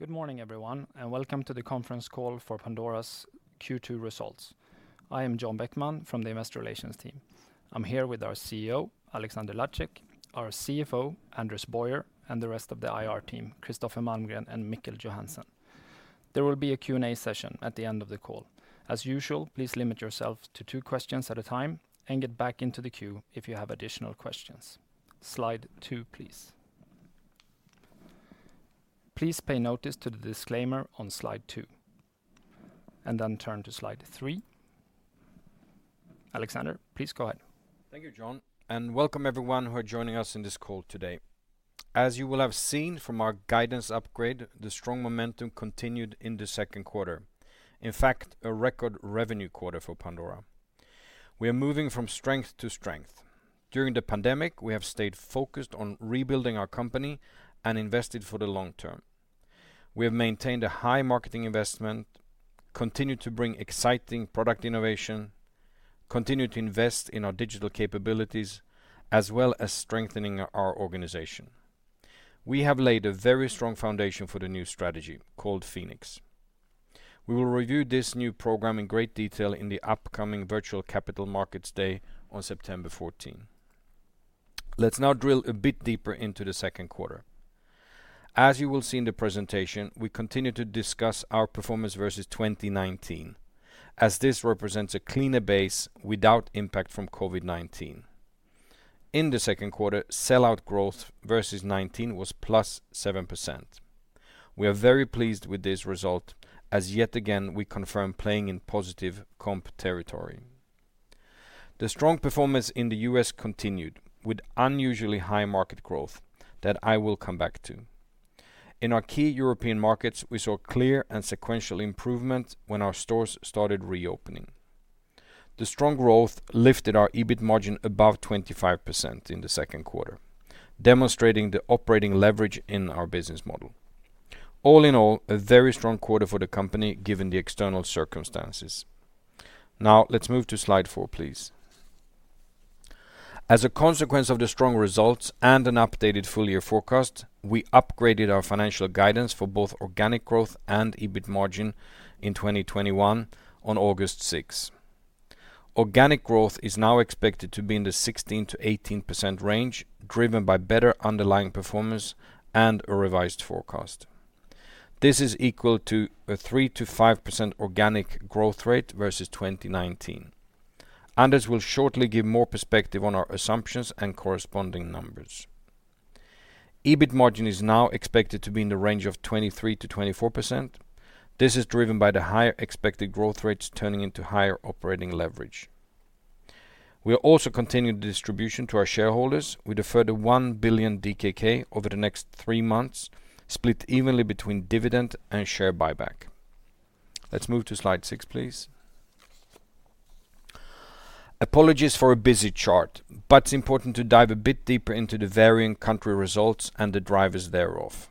Good morning, everyone, and welcome to the conference call for Pandora's Q2 results. I'm John Bäckman from the Investor Relations team. I'm here with our CEO, Alexander Lacik, our CFO, Anders Boyer, and the rest of the IR team, Kristoffer Malmgren and Mikkel Johansen. There will be a Q&A session at the end of the call. As usual, please limit yourself to two questions at a time and get back into the queue if you have additional questions. Slide two, please. Please pay notice to the disclaimer on slide two and then turn to slide three. Alexander, please go ahead. Thank you, John, and welcome everyone who are joining us in this call today. As you will have seen from our guidance upgrade, the strong momentum continued in the second quarter. In fact, a record revenue quarter for Pandora. We are moving from strength to strength. During the pandemic, we have stayed focused on rebuilding our company and invested for the long term. We have maintained a high marketing investment, continued to bring exciting product innovation, continued to invest in our digital capabilities, as well as strengthening our organization. We have laid a very strong foundation for the new strategy, called Phoenix. We will review this new program in great detail in the upcoming virtual Capital Markets Day on September 14. Let's now drill a bit deeper into the second quarter. As you will see in the presentation, we continue to discuss our performance versus 2019, as this represents a cleaner base without impact from COVID-19. In the second quarter, sell-out growth versus 2019 was +7%. We are very pleased with this result, as yet again, we confirm playing in positive comp territory. The strong performance in the U.S. continued, with unusually high market growth that I will come back to. In our key European markets, we saw clear and sequential improvement when our stores started reopening. The strong growth lifted our EBIT margin above 25% in the second quarter, demonstrating the operating leverage in our business model. All in all, a very strong quarter for the company given the external circumstances. Let's move to slide four, please. As a consequence of the strong results and an updated full year forecast, we upgraded our financial guidance for both organic growth and EBIT margin in 2021, on August 6. Organic growth is now expected to be in the 16%-18% range, driven by better underlying performance and a revised forecast. This is equal to a 3%-5% organic growth rate versus 2019. Anders will shortly give more perspective on our assumptions and corresponding numbers. EBIT margin is now expected to be in the range of 23%-24%. This is driven by the higher expected growth rates turning into higher operating leverage. We are also continuing the distribution to our shareholders with a further 1 billion DKK over the next three months, split evenly between dividend and share buyback. Let's move to slide six, please. Apologies for a busy chart, but it's important to dive a bit deeper into the varying country results and the drivers thereof.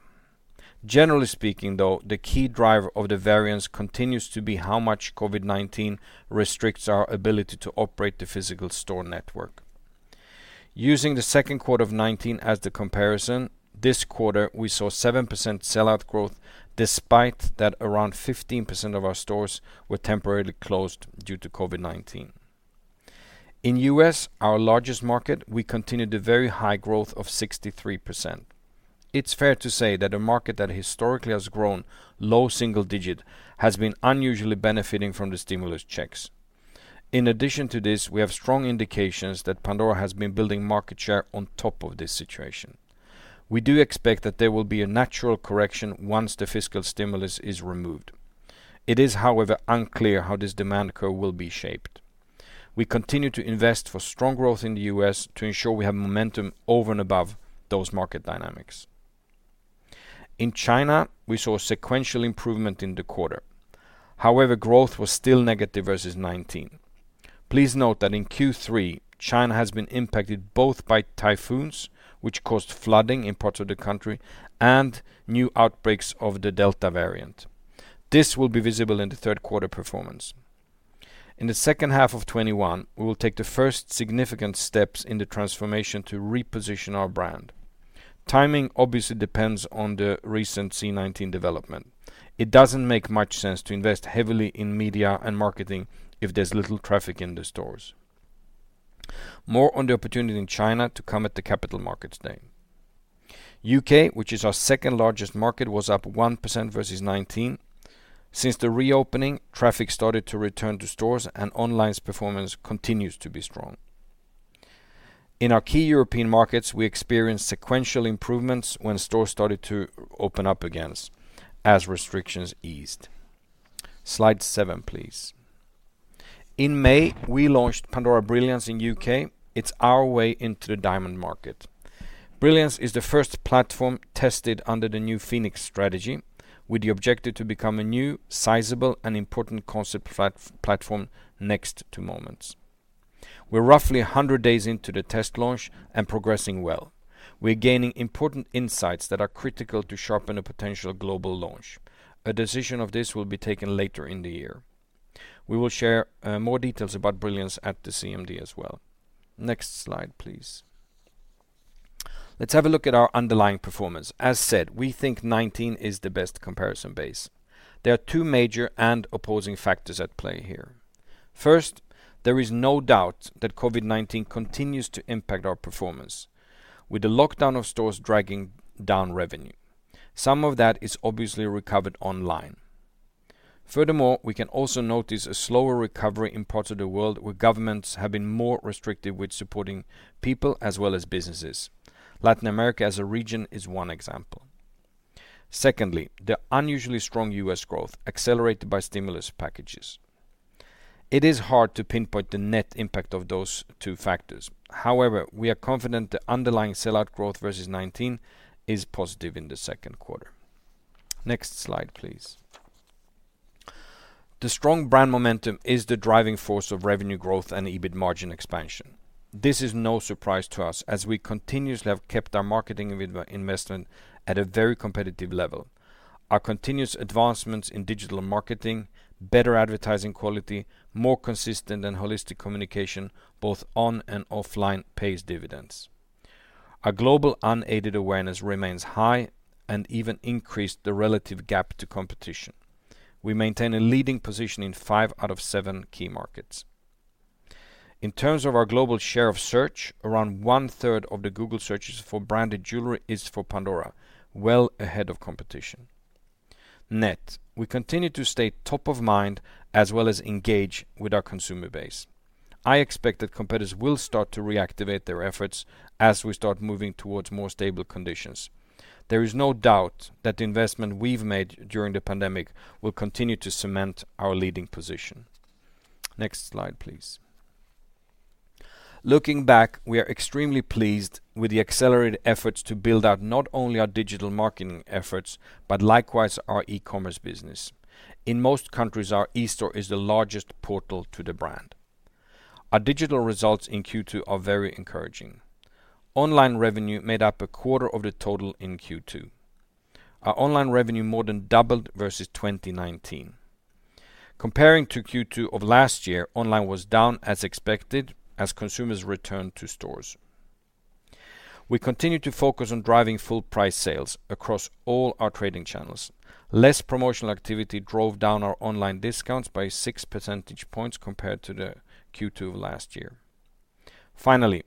Generally speaking, though, the key driver of the variance continues to be how much COVID-19 restricts our ability to operate the physical store network. Using the second quarter of 2019 as the comparison, this quarter, we saw 7% sell-out growth despite that around 15% of our stores were temporarily closed due to COVID-19. In U.S., our largest market, we continued a very high growth of 63%. It's fair to say that a market that historically has grown low single digit has been unusually benefiting from the stimulus checks. In addition to this, we have strong indications that Pandora has been building market share on top of this situation. We do expect that there will be a natural correction once the fiscal stimulus is removed. It is, however, unclear how this demand curve will be shaped. We continue to invest for strong growth in the U.S. to ensure we have momentum over and above those market dynamics. In China, we saw sequential improvement in the quarter. However, growth was still negative versus 2019. Please note that in Q3, China has been impacted both by typhoons, which caused flooding in parts of the country, and new outbreaks of the Delta variant. This will be visible in the third quarter performance. In the second half of 2021, we will take the first significant steps in the transformation to reposition our brand. Timing obviously depends on the recent C-19 development. It doesn't make much sense to invest heavily in media and marketing if there's little traffic in the stores. More on the opportunity in China to come at the Capital Markets Day. U.K., which is our second largest market, was up 1% versus 2019. Since the reopening, traffic started to return to stores and online performance continues to be strong. In our key European markets, we experienced sequential improvements when stores started to open up again, as restrictions eased. Slide seven, please. In May, we launched Pandora Brilliance in U.K. It's our way into the diamond market. Brilliance is the first platform tested under the new Phoenix strategy, with the objective to become a new, sizable, and important concept platform next to Moments. We're roughly 100 days into the test launch and progressing well. We're gaining important insights that are critical to sharpen a potential global launch. A decision of this will be taken later in the year. We will share more details about Brilliance at the CMD as well. Next slide, please. Let's have a look at our underlying performance. As said, we think 2019 is the best comparison base. There are two major and opposing factors at play here. First, there is no doubt that COVID-19 continues to impact our performance, with the lockdown of stores dragging down revenue. Some of that is obviously recovered online. Furthermore, we can also notice a slower recovery in parts of the world where governments have been more restrictive with supporting people as well as businesses. Latin America as a region is one example. Secondly, the unusually strong U.S. growth accelerated by stimulus packages. It is hard to pinpoint the net impact of those two factors. We are confident the underlying sellout growth versus 2019 is positive in the second quarter. Next slide, please. The strong brand momentum is the driving force of revenue growth and EBIT margin expansion. This is no surprise to us, as we continuously have kept our marketing investment at a very competitive level. Our continuous advancements in digital marketing, better advertising quality, more consistent and holistic communication, both on and offline, pays dividends. Our global unaided awareness remains high and even increased the relative gap to competition. We maintain a leading position in five out of seven key markets. In terms of our global share of search, around 1/3 of the Google searches for branded jewelry is for Pandora, well ahead of competition. Next, we continue to stay top of mind as well as engage with our consumer base. I expect that competitors will start to reactivate their efforts as we start moving towards more stable conditions. There is no doubt that the investment we've made during the pandemic will continue to cement our leading position. Next slide, please. Looking back, we are extremely pleased with the accelerated efforts to build out not only our digital marketing efforts, but likewise our e-commerce business. In most countries, our e-store is the largest portal to the brand. Our digital results in Q2 are very encouraging. Online revenue made up a quarter of the total in Q2. Our online revenue more than doubled versus 2019. Comparing to Q2 of last year, online was down as expected as consumers returned to stores. We continue to focus on driving full price sales across all our trading channels. Less promotional activity drove down our online discounts by 6 percentage points compared to the Q2 of last year. Finally,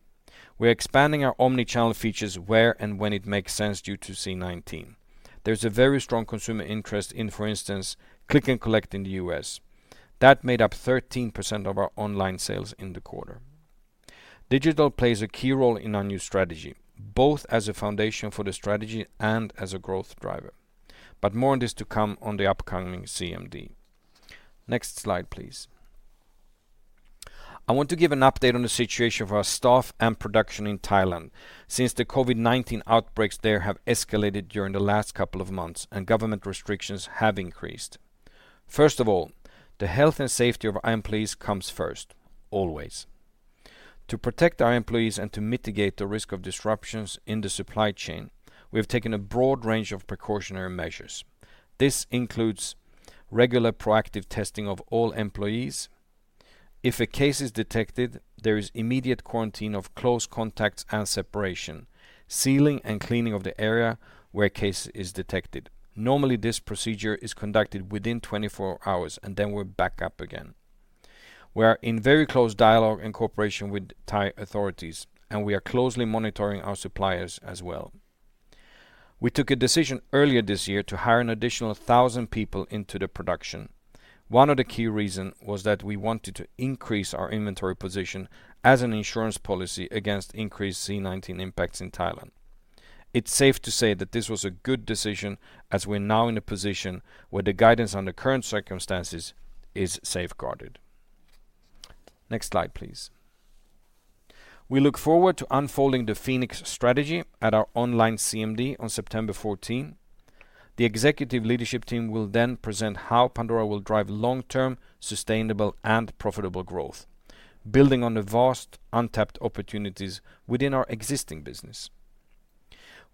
we are expanding our omnichannel features where and when it makes sense due to C-19. There's a very strong consumer interest in, for instance, click and collect in the U.S. That made up 13% of our online sales in the quarter. Digital plays a key role in our new strategy, both as a foundation for the strategy and as a growth driver. More on this to come on the upcoming CMD. Next slide, please. I want to give an update on the situation for our staff and production in Thailand, since the COVID-19 outbreaks there have escalated during the last couple of months and government restrictions have increased. First of all, the health and safety of our employees comes first, always. To protect our employees and to mitigate the risk of disruptions in the supply chain, we have taken a broad range of precautionary measures. This includes regular proactive testing of all employees. If a case is detected, there is immediate quarantine of close contacts and separation, sealing and cleaning of the area where a case is detected. Normally, this procedure is conducted within 24 hours, and then we're back up again. We are in very close dialogue and cooperation with Thai authorities, and we are closely monitoring our suppliers as well. We took a decision earlier this year to hire an additional 1,000 people into the production. One of the key reason was that we wanted to increase our inventory position as an insurance policy against increased C-19 impacts in Thailand. It's safe to say that this was a good decision as we are now in a position where the guidance on the current circumstances is safeguarded. Next slide, please. We look forward to unfolding the Phoenix strategy at our online CMD on September 14. The executive leadership team will then present how Pandora will drive long-term, sustainable, and profitable growth, building on the vast untapped opportunities within our existing business.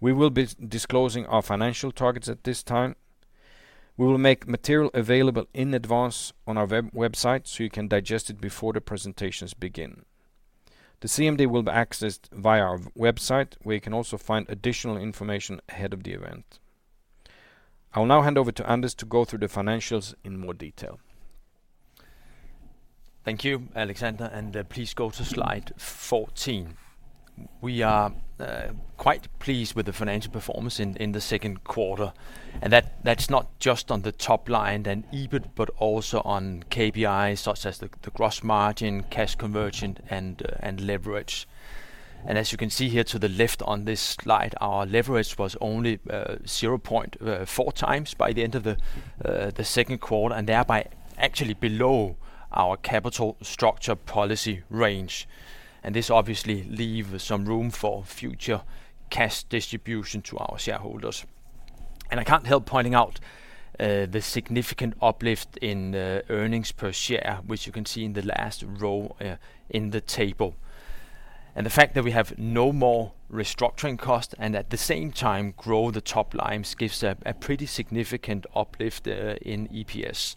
We will be disclosing our financial targets at this time. We will make material available in advance on our website so you can digest it before the presentations begin. The CMD will be accessed via our website, where you can also find additional information ahead of the event. I will now hand over to Anders to go through the financials in more detail. Thank you, Alexander. Please go to slide 14. We are quite pleased with the financial performance in the second quarter. That's not just on the top line and EBIT, but also on KPIs such as the gross margin, cash conversion, and leverage. As you can see here to the left on this slide, our leverage was only 0.4x by the end of the second quarter, and thereby actually below our capital structure policy range. This obviously leave some room for future cash distribution to our shareholders. I can't help pointing out the significant uplift in earnings per share, which you can see in the last row in the table. The fact that we have no more restructuring cost and at the same time grow the top lines gives a pretty significant uplift in EPS.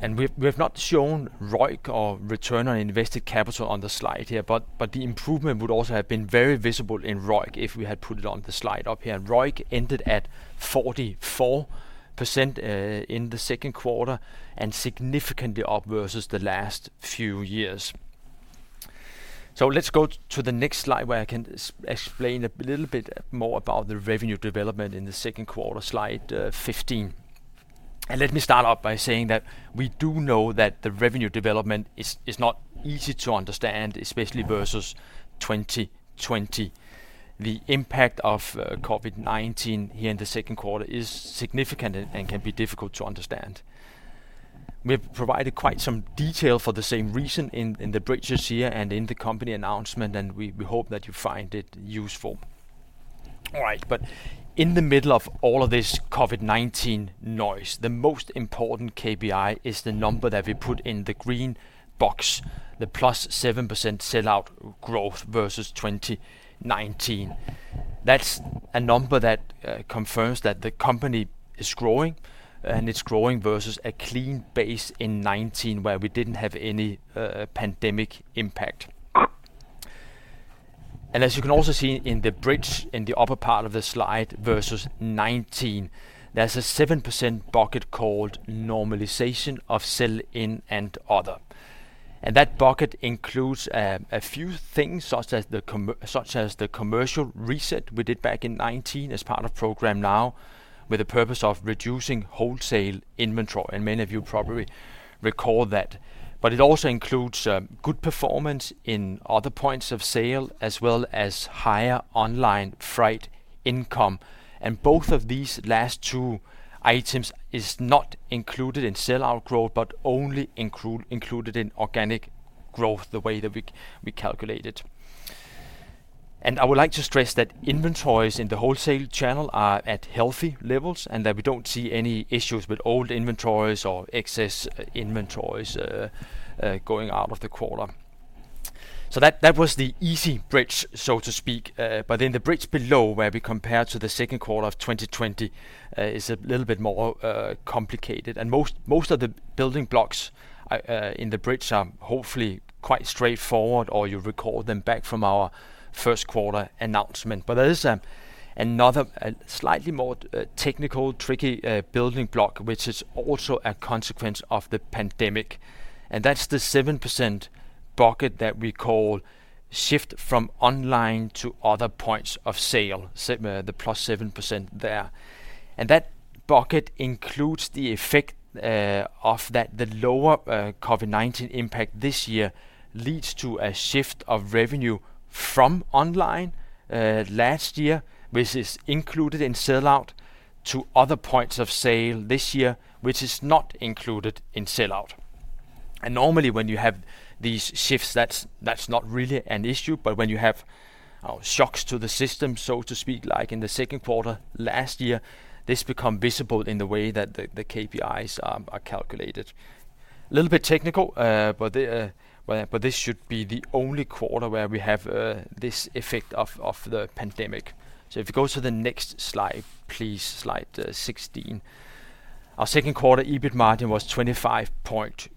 We've not shown ROIC or return on invested capital on the slide here, but the improvement would also have been very visible in ROIC if we had put it on the slide up here. ROIC ended at 44% in the second quarter, and significantly up versus the last few years. Let's go to the next slide where I can explain a little bit more about the revenue development in the second quarter, slide 15. Let me start off by saying that we do know that the revenue development is not easy to understand, especially versus 2020. The impact of COVID-19 here in the second quarter is significant and can be difficult to understand. We've provided quite some detail for the same reason in the bridges here and in the company announcement. We hope that you find it useful. All right. In the middle of all of this COVID-19 noise, the most important KPI is the number that we put in the green box, the +7% sell-out growth versus 2019. That's a number that confirms that the company is growing. It's growing versus a clean base in 2019, where we didn't have any pandemic impact. As you can also see in the bridge in the upper part of the slide versus 2019, there's a 7% bucket called normalization of sell-in and other. That bucket includes a few things, such as the commercial reset we did back in 2019 as part of Programme NOW with the purpose of reducing wholesale inventory. Many of you probably recall that. It also includes good performance in other points of sale, as well as higher online freight income. Both of these last two items is not included in sell-out growth, but only included in organic growth, the way that we calculate it. I would like to stress that inventories in the wholesale channel are at healthy levels, and that we don't see any issues with old inventories or excess inventories going out of the quarter. That was the easy bridge, so to speak. The bridge below, where we compare to the second quarter of 2020, is a little bit more complicated. Most of the building blocks in the bridge are hopefully quite straightforward, or you recall them back from our first quarter announcement. There is another slightly more technical tricky building block, which is also a consequence of the pandemic, and that's the 7% bucket that we call shift from online to other points of sale, the plus 7% there. That bucket includes the effect of the lower COVID-19 impact this year leads to a shift of revenue from online last year, which is included in sell-out to other points of sale this year, which is not included in sell-out. Normally, when you have these shifts, that's not really an issue, but when you have shocks to the system, so to speak, like in the second quarter last year, this become visible in the way that the KPIs are calculated. A little bit technical, this should be the only quarter where we have this effect of the pandemic. If you go to the next slide, please, slide 16. Our second quarter EBIT margin was 25.2%,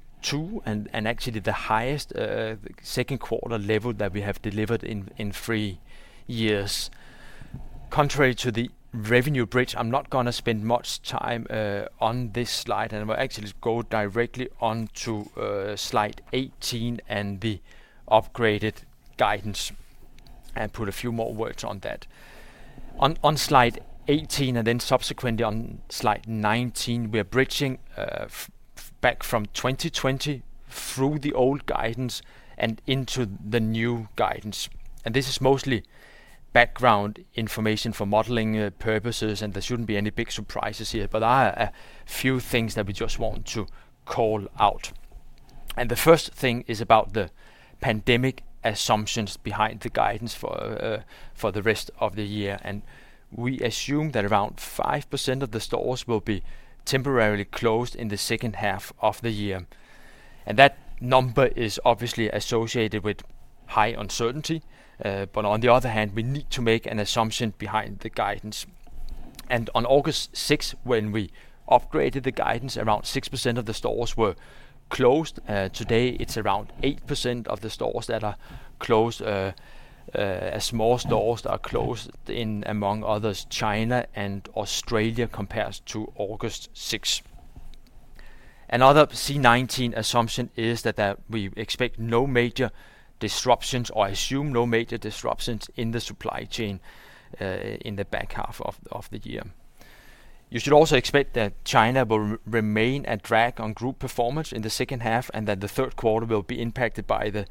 and actually the highest second quarter level that we have delivered in three years. Contrary to the revenue bridge, I'm not going to spend much time on this slide, and I will actually go directly onto slide 18 and the upgraded guidance and put a few more words on that. On slide 18, and then subsequently on slide 19, we are bridging back from 2020 through the old guidance and into the new guidance. This is mostly background information for modeling purposes, and there shouldn't be any big surprises here, but there are a few things that we just want to call out. The first thing is about the pandemic assumptions behind the guidance for the rest of the year, and we assume that around 5% of the stores will be temporarily closed in the second half of the year. That number is obviously associated with high uncertainty. On the other hand, we need to make an assumption behind the guidance. On August 6, when we upgraded the guidance, around 6% of the stores were closed. Today, it's around 8% of the stores that are closed, as more stores are closed in, among others, China and Australia, compared to August 6. Another C-19 assumption is that we expect no major disruptions or assume no major disruptions in the supply chain in the back half of the year. You should also expect that China will remain a drag on group performance in the second half, and that the third quarter will be impacted by the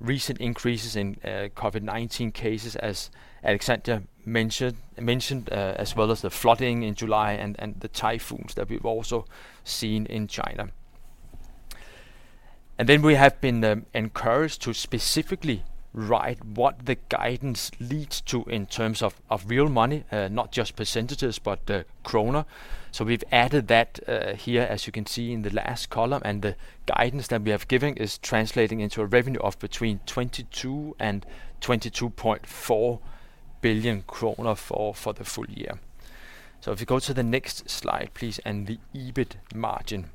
recent increases in COVID-19 cases, as Alexander mentioned. The flooding in July and the typhoons that we've also seen in China. We have been encouraged to specifically write what the guidance leads to in terms of real money, not just percentages, but kroner. We've added that here, as you can see in the last column, and the guidance that we have given is translating into a revenue of between 22 billion and 22.4 billion kroner for the full year. If you go to the next slide, please. The EBIT margin.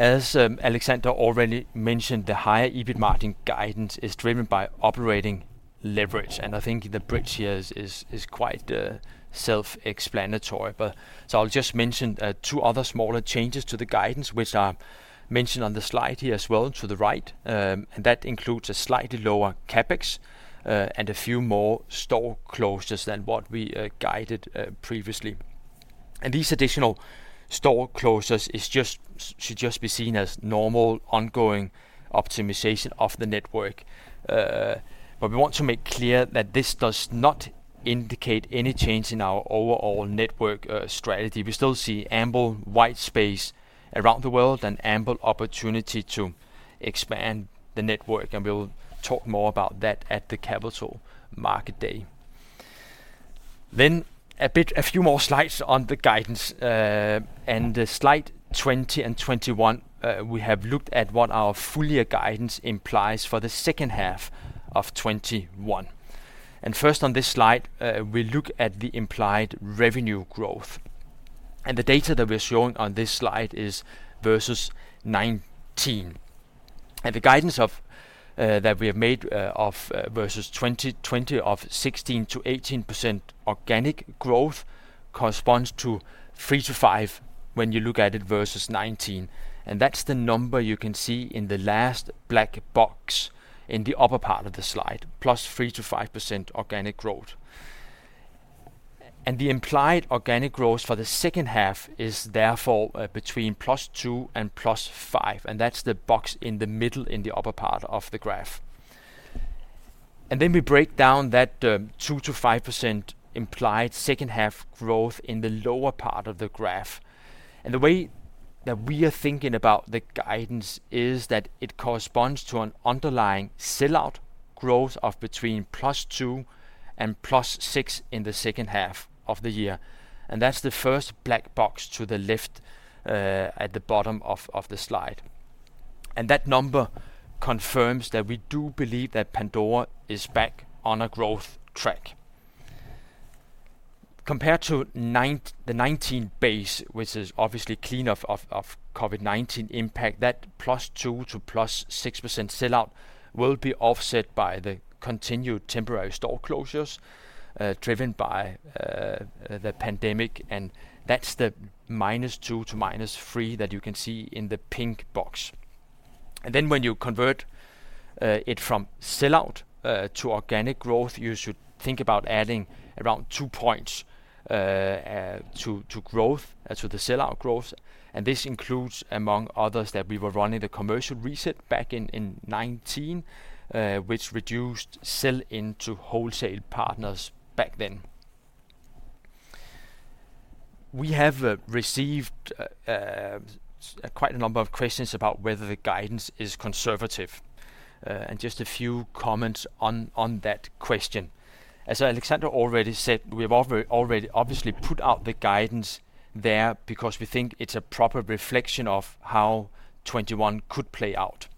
As Alexander already mentioned, the higher EBIT margin guidance is driven by operating leverage, and I think the bridge here is quite self-explanatory. I'll just mention two other smaller changes to the guidance, which are mentioned on the slide here as well to the right, and that includes a slightly lower CapEx, and a few more store closures than what we guided previously. These additional store closures should just be seen as normal, ongoing optimization of the network. We want to make clear that this does not indicate any change in our overall network strategy. We still see ample white space around the world and ample opportunity to expand the network, and we'll talk more about that at the Capital Market Day. A few more slides on the guidance. Slide 20 and 21, we have looked at what our full year guidance implies for the second half of 2021. First on this slide, we look at the implied revenue growth. The data that we're showing on this slide is versus 2019. The guidance that we have made versus 2020 of 16%-18% organic growth corresponds to 3%-5% when you look at it versus 2019, and that's the number you can see in the last black box in the upper part of the slide, +3%-5% organic growth. The implied organic growth for the second half is therefore between +2% and +5%, and that's the box in the middle in the upper part of the graph. We break down that 2%-5% implied second half growth in the lower part of the graph. The way that we are thinking about the guidance is that it corresponds to an underlying sell-out growth of between +2% and +6% in the second half of the year. That's the first black box to the left, at the bottom of the slide. That number confirms that we do believe that Pandora is back on a growth track. Compared to the 2019 base, which is obviously clean of COVID-19 impact, that +2% to +6% sell-out will be offset by the continued temporary store closures, driven by the pandemic, and that's the -2% to -3% that you can see in the pink box. Then when you convert it from sell-out to organic growth, you should think about adding around 2 points to the sell-out growth, and this includes, among others, that we were running a commercial reset back in 2019, which reduced sell-in to wholesale partners back then. We have received quite a number of questions about whether the guidance is conservative. Just a few comments on that question. As Alexander already said, we've already obviously put out the guidance there because we think it's a proper reflection of how 2021 could play out.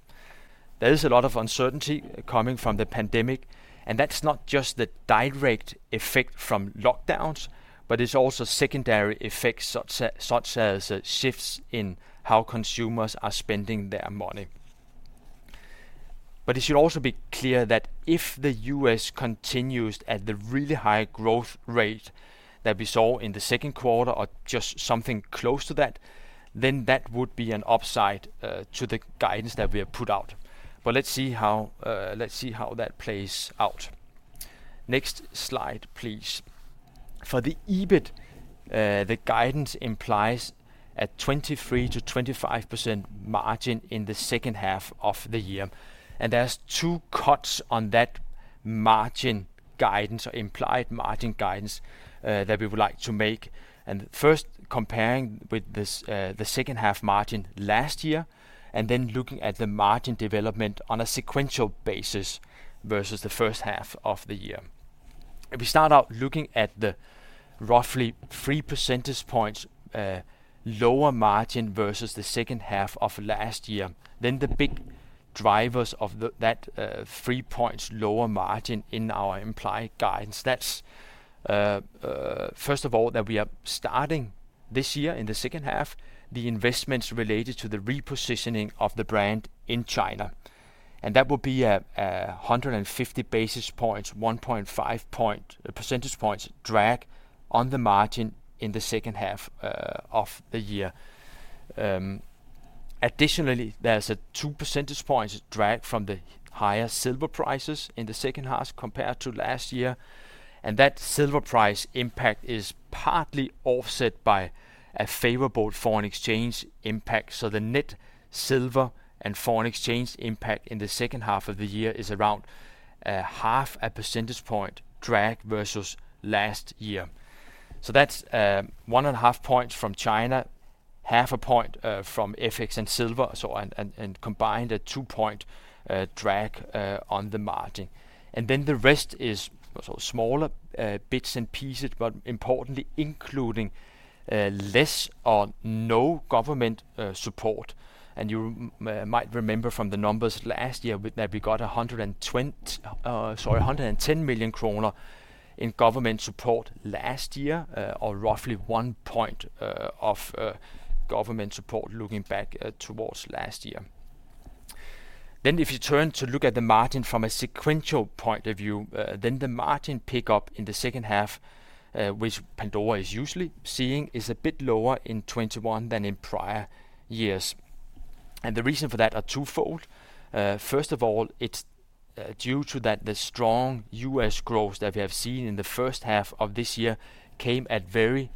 There is a lot of uncertainty coming from the pandemic, and that's not just the direct effect from lockdowns, but it's also secondary effects such as shifts in how consumers are spending their money. It should also be clear that if the U.S. continues at the really high growth rate that we saw in the second quarter or just something close to that, then that would be an upside to the guidance that we have put out. Let's see how that plays out. Next slide, please. For the EBIT, the guidance implies a 23%-25% margin in the second half of the year. There's two cuts on that margin guidance, or implied margin guidance, that we would like to make. First, comparing with the second half margin last year, and then looking at the margin development on a sequential basis versus the first half of the year. If we start out looking at the roughly 3 percentage points lower margin versus the second half of last year, then the big drivers of that 3 points lower margin in our implied guidance, that's first of all that we are starting this year, in the second half, the investments related to the repositioning of the brand in China. That will be a 150 basis points, 1.5 percentage points drag on the margin in the second half of the year. Additionally, there's a 2 percentage points drag from the higher silver prices in the second half compared to last year, and that silver price impact is partly offset by a favorable foreign exchange impact. The net silver and foreign exchange impact in the second half of the year is around half a percentage point drag versus last year. That's 1.5 points from China, 0.5 points from FX and silver, and combined, a 2-point drag on the margin. The rest is smaller bits and pieces, but importantly including less or no government support. You might remember from the numbers last year that we got 110 million kroner in government support last year, or roughly 1 point of government support looking back towards last year. If you turn to look at the margin from a sequential point of view, the margin pickup in the second half, which Pandora is usually seeing, is a bit lower in 2021 than in prior years. The reason for that are twofold. First of all, it's due to that the strong U.S. growth that we have seen in the first half of this year came at very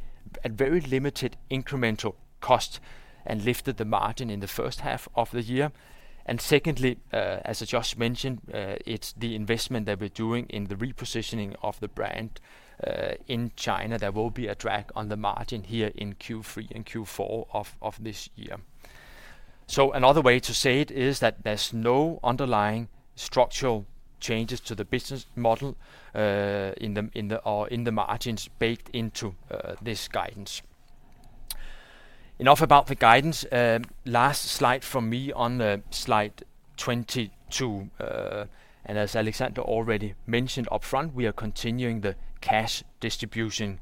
limited incremental cost and lifted the margin in the first half of the year. Secondly, as I just mentioned, it's the investment that we're doing in the repositioning of the brand, in China. There will be a drag on the margin here in Q3 and Q4 of this year. Another way to say it is that there's no underlying structural changes to the business model or in the margins baked into this guidance. Enough about the guidance. Last slide from me on the slide 22. As Alexander already mentioned upfront, we are continuing the cash distribution.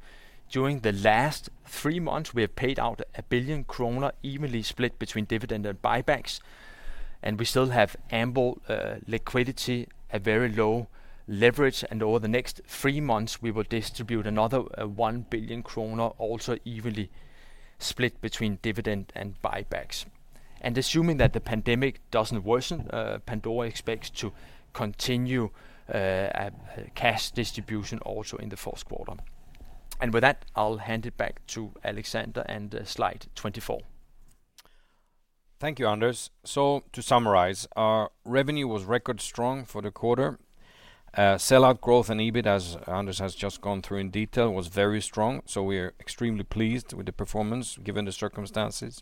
During the last three months, we have paid out 1 billion kroner, evenly split between dividend and buybacks, and we still have ample liquidity at very low leverage. Over the next three months, Pandora will distribute another 1 billion kroner, also evenly split between dividend and buybacks. Assuming that the pandemic doesn't worsen, Pandora expects to continue cash distribution also in the fourth quarter. With that, I'll hand it back to Alexander and slide 24. Thank you, Anders. To summarize, our revenue was record strong for the quarter. Sell-out growth and EBIT, as Anders has just gone through in detail, was very strong. We are extremely pleased with the performance given the circumstances.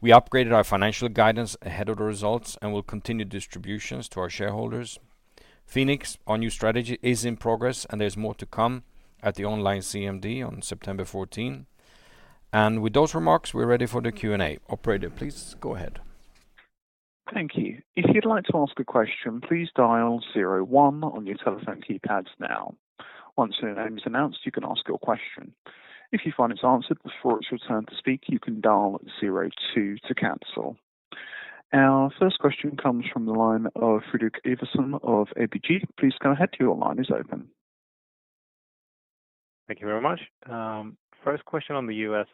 We upgraded our financial guidance ahead of the results and will continue distributions to our shareholders. Phoenix, our new strategy, is in progress and there is more to come at the online CMD on September 14. With those remarks, we are ready for the Q&A. Operator, please go ahead. Thank you. If you'd like to ask a question, please dial zero one on your telephone keypads now. Once your name is announce, you can ask your question. If you find it answered before it's your turn to speak, you can dial zero two to cancel. Our first question comes from the line of Fredrik Ivarsson of ABG. Please go ahead. Your line is open. Thank you very much. First question on the U.S.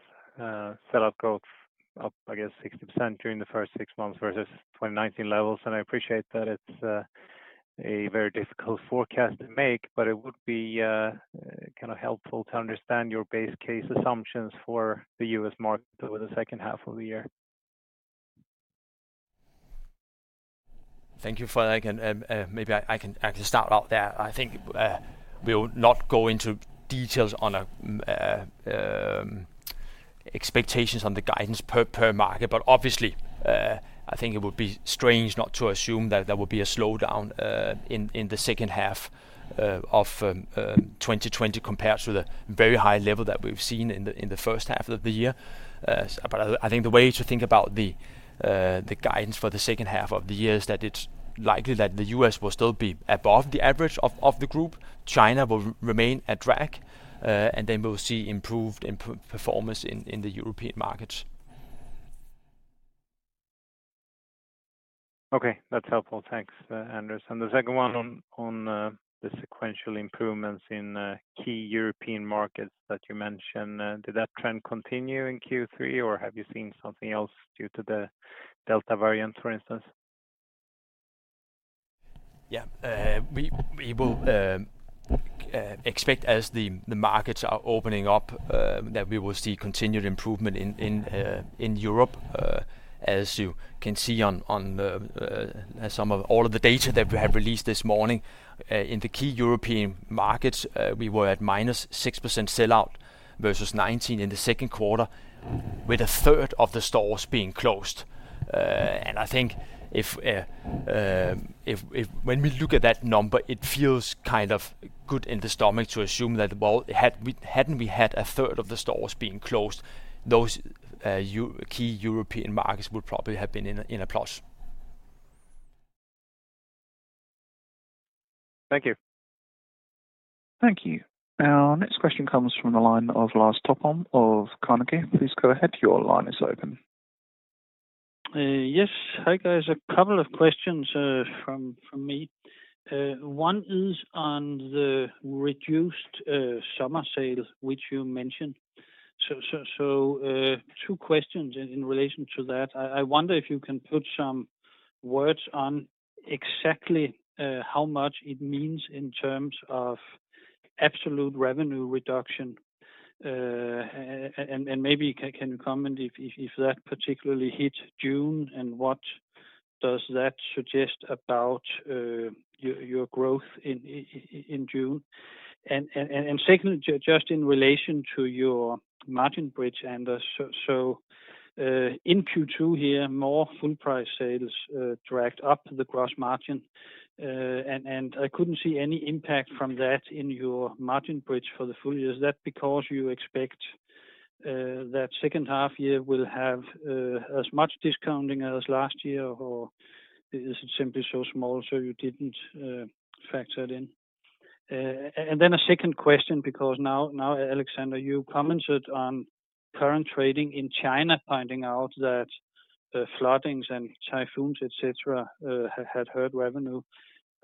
sell-out growth up, I guess 60% during the first six months versus 2019 levels, and I appreciate that it's a very difficult forecast to make, but it would be kind of helpful to understand your base case assumptions for the U.S. market over the second half of the year. Thank you for that. Maybe I can start out there. I think we will not go into details on expectations on the guidance per market. Obviously, I think it would be strange not to assume that there will be a slowdown in the second half of 2020 compared to the very high level that we've seen in the first half of the year. I think the way to think about the guidance for the second half of the year is that it's likely that the U.S. will still be above the average of the group. China will remain a drag. We'll see improved performance in the European markets. Okay. That's helpful. Thanks, Anders. The second one on the sequential improvements in key European markets that you mentioned. Did that trend continue in Q3, or have you seen something else due to the Delta variant, for instance? Yeah. We will expect as the markets are opening up, that we will see continued improvement in Europe. As you can see on all of the data that we have released this morning, in the key European markets, we were at -6% sell-out versus 2019 in the second quarter, with a third of the stores being closed. I think when we look at that number, it feels kind of good in the stomach to assume that, well, hadn't we had a third of the stores being closed, those key European markets would probably have been in a plus. Thank you. Thank you. Our next question comes from the line of Lars Topholm of Carnegie. Yes. Hi, guys. A couple of questions from me. One is on the reduced summer sale, which you mentioned. Two questions in relation to that. I wonder if you can put some words on exactly how much it means in terms of absolute revenue reduction. Maybe can you comment if that particularly hit June, and what does that suggest about your growth in June? Secondly, just in relation to your margin bridge, Anders. In Q2 here, more full price sales dragged up the gross margin. I couldn't see any impact from that in your margin bridge for the full year. Is that because you expect that second half year will have as much discounting as last year, or is it simply so small, so you didn't factor it in? A second question, because now, Alexander, you commented on current trading in China, finding out that floodings and typhoons, et cetera, had hurt revenue.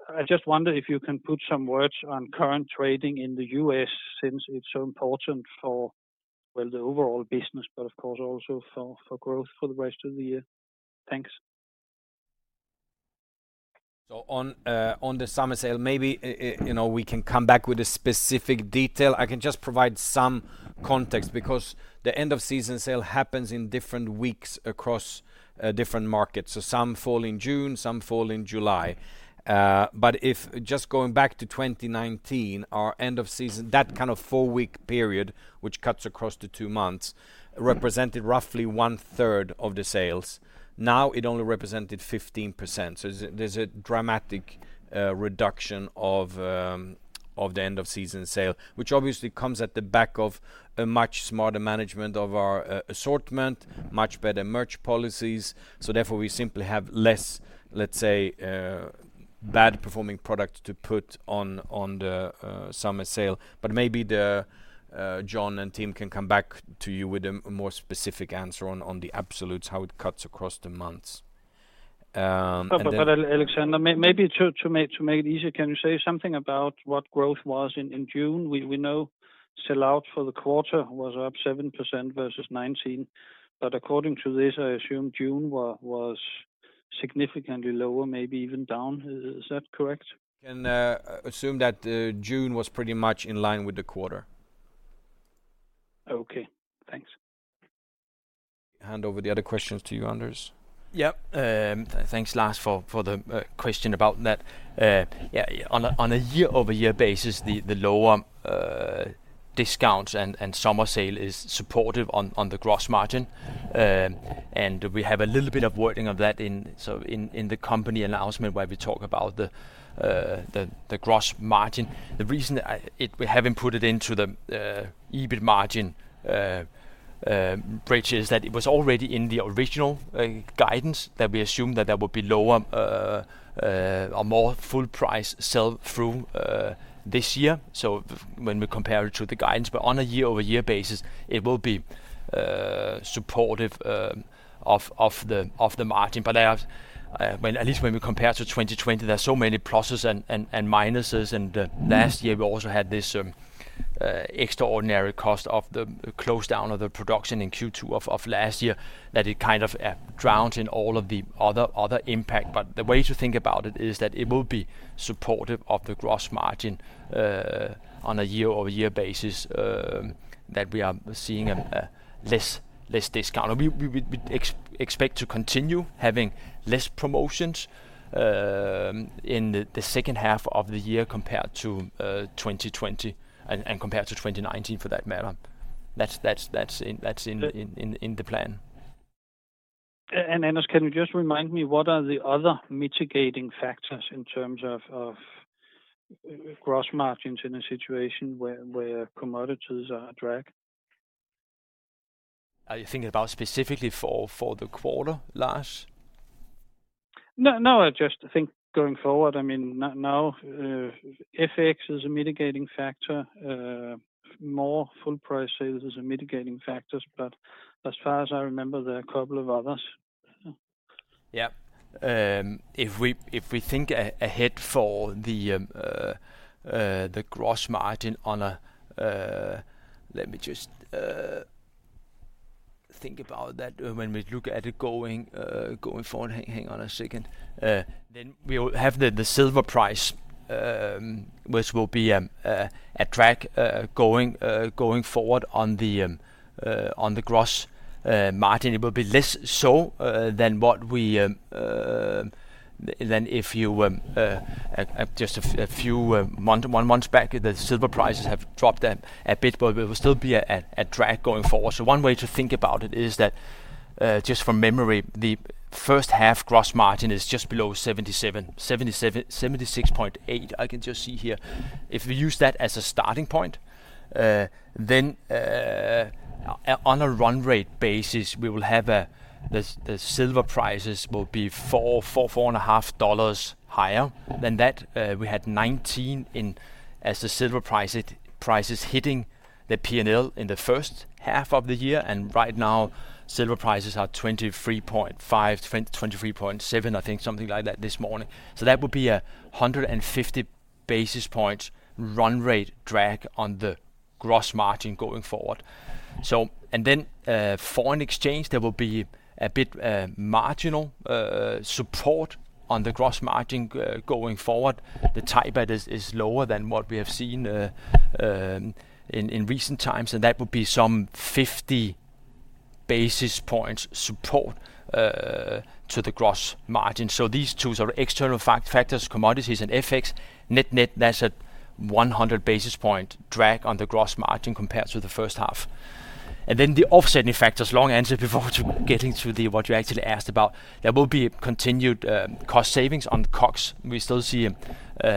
I just wonder if you can put some words on current trading in the U.S. since it's so important for the overall business, but of course also for growth for the rest of the year. Thanks. On the summer sale, maybe we can come back with a specific detail. I can just provide some context, because the end of season sale happens in different weeks across different markets. Some fall in June, some fall in July. But if just going back to 2019, our end of season, that kind of four-week period, which cuts across the two months, represented roughly 1/3 of the sales. Now it only represented 15%. There is a dramatic reduction of the end of season sale, which obviously comes at the back of a much smarter management of our assortment, much better merch policies. Therefore, we simply have less, let's say, bad performing product to put on the summer sale. But maybe John and team can come back to you with a more specific answer on the absolutes, how it cuts across the months. And then- Alexander, maybe to make it easier, can you say something about what growth was in June? We know sell-out for the quarter was up 7% versus 2019, but according to this, I assume June was significantly lower, maybe even down. Is that correct? Can assume that June was pretty much in line with the quarter. Okay, thanks. Hand over the other questions to you, Anders. Yep. Thanks, Lars, for the question about that. On a year-over-year basis, the lower discounts and summer sale is supportive on the gross margin. We have a little bit of wording of that in the company announcement where we talk about the gross margin. The reason that we haven't put it into the EBIT margin bridges, that it was already in the original guidance that we assumed that there would be lower or more full price sell-through this year. When we compare it to the guidance, on a year-over-year basis, it will be supportive of the margin. At least when we compare to 2020, there are so many pluses and minuses. Last year we also had this extraordinary cost of the close down of the production in Q2 of last year that it kind of drowned in all of the other impact. The way to think about it is that it will be supportive of the gross margin on a year-over-year basis, that we are seeing a less discount. We expect to continue having less promotions in the second half of the year compared to 2020, and compared to 2019 for that matter. That's in the plan. Anders, can you just remind me what are the other mitigating factors in terms of gross margins in a situation where commodities are a drag? Are you thinking about specifically for the quarter, Lars? No, I just think going forward, now FX is a mitigating factor. More full price sales is a mitigating factors, but as far as I remember, there are a couple of others. Yeah. If we think ahead for the gross margin. Let me just think about that. When we look at it going forward, hang on a second. We have the silver price, which will be a drag going forward on the gross margin. It will be less so than if you, just a few months back, the silver prices have dropped a bit. It will still be a drag going forward. One way to think about it is that, just from memory, the first half gross margin is just below 77%, 76.8%. I can just see here. If we use that as a starting point, on a run rate basis, we will have the silver prices will be 4 to DKK 4.5 higher than that. We had $19 as the silver prices hitting the P&L in the first half of the year. Right now silver prices are $23.5-$23.7, I think something like that this morning. That would be 150 basis points run rate drag on the gross margin going forward. Foreign exchange, there will be a bit marginal support on the gross margin going forward. The Thai baht is lower than what we have seen in recent times. That would be some 50 basis points support to the gross margin. These two are external factors, commodities and FX. Net-net, that's at 100 basis point drag on the gross margin compared to the first half. The offsetting factors, long answer before getting to what you actually asked about. There will be continued cost savings on COGS. We still see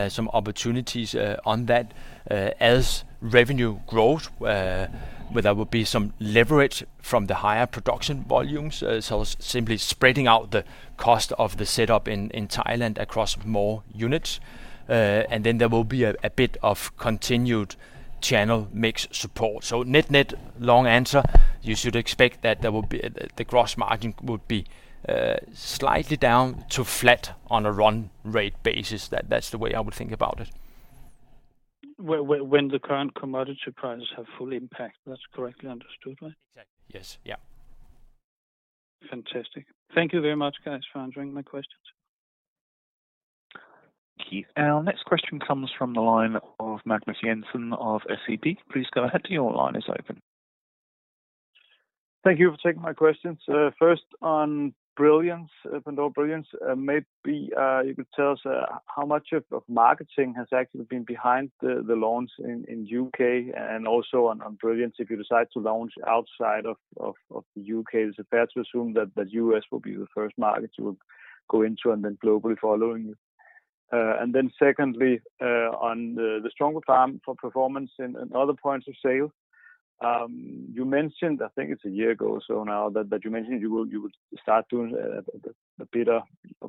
some opportunities on that. As revenue grows, there will be some leverage from the higher production volumes, so simply spreading out the cost of the setup in Thailand across more units. There will be a bit of continued channel mix support. Net-net, long answer, you should expect that the gross margin would be slightly down to flat on a run rate basis. That's the way I would think about it. When the current commodity prices have full impact. That's correctly understood, right? Exactly, yes. Yeah. Fantastic. Thank you very much, guys, for answering my questions. Thank you. Our next question comes from the line of Magnus Jensen of SEB. Please go ahead, your line is open. Thank you for taking my questions. First on Pandora Brilliance, maybe you could tell us how much of marketing has actually been behind the launch in U.K., and also on Brilliance, if you decide to launch outside of the U.K., is it fair to assume that U.S. will be the first market you will go into and then globally following? Secondly, on the stronger top-line performance and other points of sale, you mentioned, I think it's a year ago or so now, that you mentioned you would start doing a bit of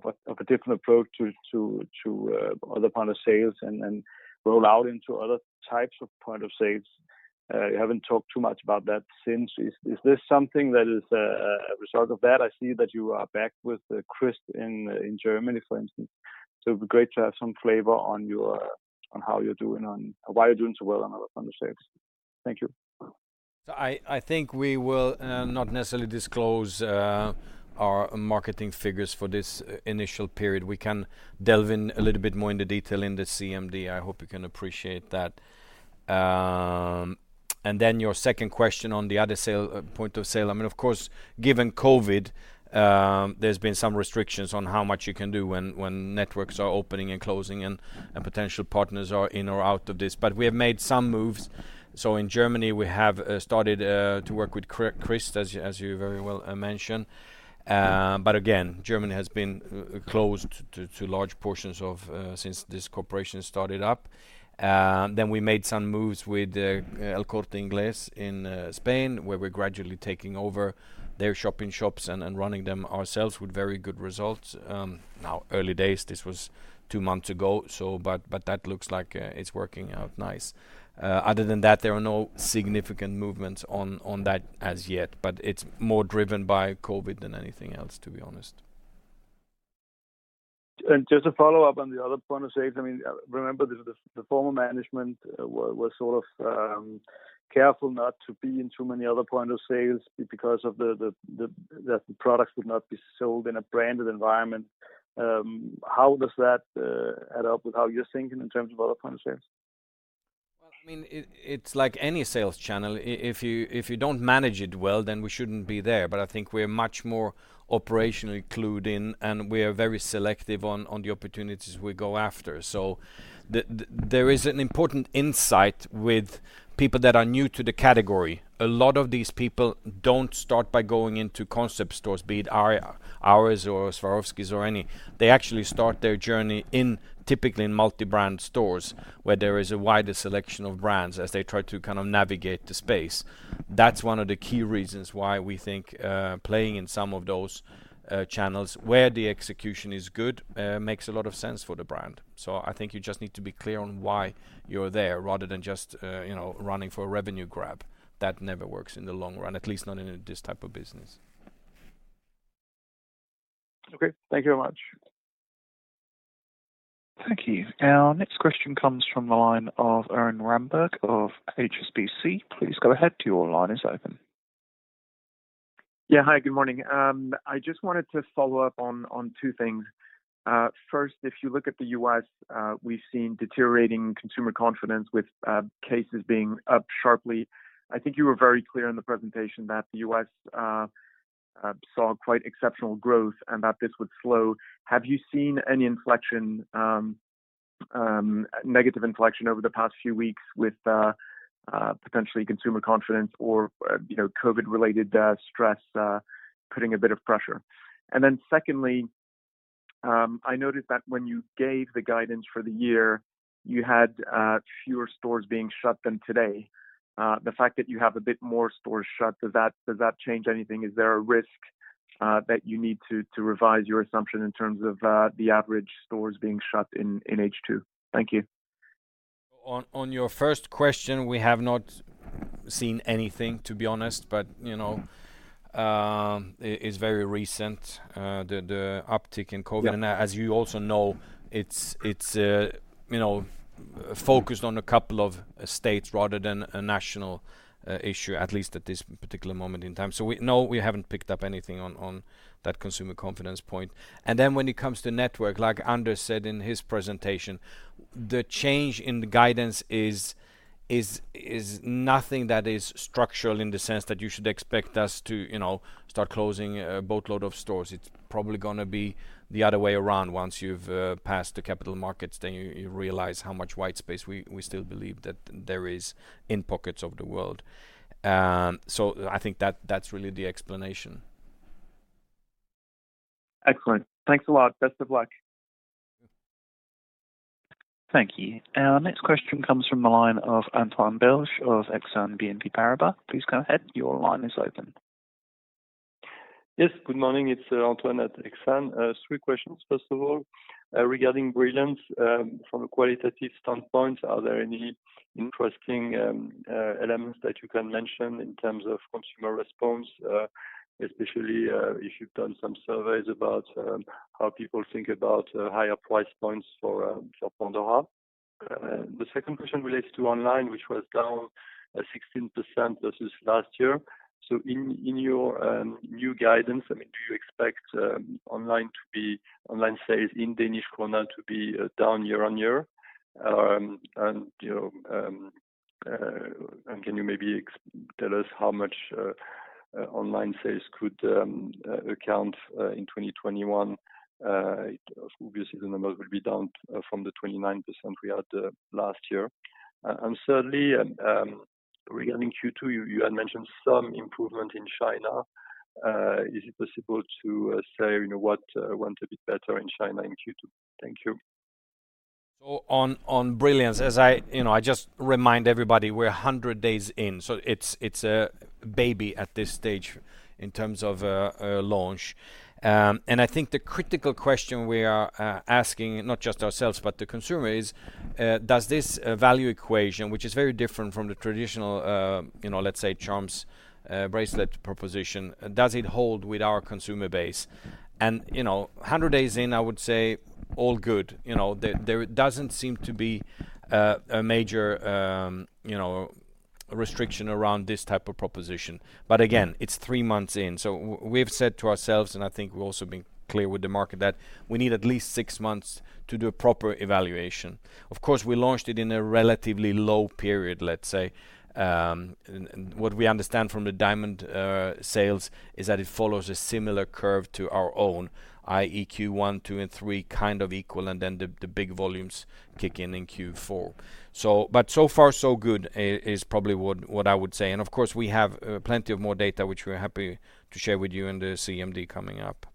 a different approach to other point of sales and roll out into other types of point of sales. You haven't talked too much about that since. Is this something that is a result of that? I see that you are back with CHRIST in Germany, for instance. It'd be great to have some flavor on how you're doing, on why you're doing so well on other point of sales. Thank you. I think we will not necessarily disclose our marketing figures for this initial period. We can delve in a little bit more into detail in the CMD. I hope you can appreciate that. Your second question on the other point of sale, of course, given COVID, there's been some restrictions on how much you can do when networks are opening and closing, and potential partners are in or out of this. We have made some moves. In Germany, we have started to work with CHRIST, as you very well mentioned. Again, Germany has been closed to large portions since this cooperation started up. We made some moves with El Corte Inglés in Spain, where we're gradually taking over their shop-in-shops and running them ourselves with very good results. Now, early days, this was wo months ago. That looks like it's working out nice. Other than that, there are no significant movements on that as yet, but it's more driven by COVID than anything else, to be honest. Just to follow up on the other point of sales, remember the former management was sort of careful not to be in too many other point of sales because the products would not be sold in a branded environment. How does that add up with how you're thinking in terms of other point of sales? It's like any sales channel. If you don't manage it well, then we shouldn't be there. I think we're much more operationally clued in, and we are very selective on the opportunities we go after. There is an important insight with people that are new to the category. A lot of these people don't start by going into concept stores, be it ours or Swarovski's or any. They actually start their journey in typically in multi-brand stores where there is a wider selection of brands as they try to kind of navigate the space. That's one of the key reasons why we think playing in some of those channels where the execution is good makes a lot of sense for the brand. I think you just need to be clear on why you're there rather than just running for a revenue grab. That never works in the long run, at least not in this type of business. Okay. Thank you very much. Thank you. Our next question comes from the line of Erwan Rambourg of HSBC. Please go ahead. Your line is open. Yeah. Hi, good morning. I just wanted to follow up on two things. First, if you look at the U.S., we've seen deteriorating consumer confidence with cases being up sharply. I think you were very clear in the presentation that the U.S. saw quite exceptional growth and that this would slow. Have you seen any negative inflection over the past few weeks with potentially consumer confidence or COVID-related stress putting a bit of pressure? Then secondly, I noticed that when you gave the guidance for the year, you had fewer stores being shut than today. The fact that you have a bit more stores shut, does that change anything? Is there a risk that you need to revise your assumption in terms of the average stores being shut in H2? Thank you. On your first question, we have not seen anything, to be honest. It's very recent, the uptick in COVID. Yeah. As you also know, it's focused on two states rather than a national issue, at least at this particular moment in time. No, we haven't picked up anything on that consumer confidence point. When it comes to network, like Anders said in his presentation, the change in the guidance is nothing that is structural in the sense that you should expect us to start closing a boatload of stores. It's probably going to be the other way around once you've passed the capital markets, then you realize how much white space we still believe that there is in pockets of the world. I think that's really the explanation. Excellent. Thanks a lot. Best of luck. Thank you. Our next question comes from the line of Antoine Belge of Exane BNP Paribas. Please go ahead. Your line is open. Yes, good morning. It's Antoine at Exane. Three questions. First of all, regarding Brilliance, from a qualitative standpoint, are there any interesting elements that you can mention in terms of consumer response? Especially, if you've done some surveys about how people think about higher price points for Pandora. The second question relates to online, which was down 16% versus last year. In your new guidance, do you expect online sales in Danish kroner to be down year-on-year? Can you maybe tell us how much online sales could account in 2021? Obviously, the numbers will be down from the 29% we had last year. Thirdly, regarding Q2, you had mentioned some improvement in China. Is it possible to say what went a bit better in China in Q2? Thank you. On Brilliance, as I just remind everybody, we're 100 days in, it's a baby at this stage in terms of a launch. I think the critical question we are asking, not just ourselves, but the consumer is, does this value equation, which is very different from the traditional let's say charms bracelet proposition, does it hold with our consumer base? 100 days in, I would say all good. There doesn't seem to be a major restriction around this type of proposition. Again, it's three months in. We've said to ourselves, and I think we've also been clear with the market that we need at least six months to do a proper evaluation. Of course, we launched it in a relatively low period, let's say. What we understand from the diamond sales is that it follows a similar curve to our own, i.e., Q1, Q2, and Q3 kind of equal, and then the big volumes kick in Q4. So far so good, is probably what I would say. Of course, we have plenty of more data, which we're happy to share with you in the CMD coming up.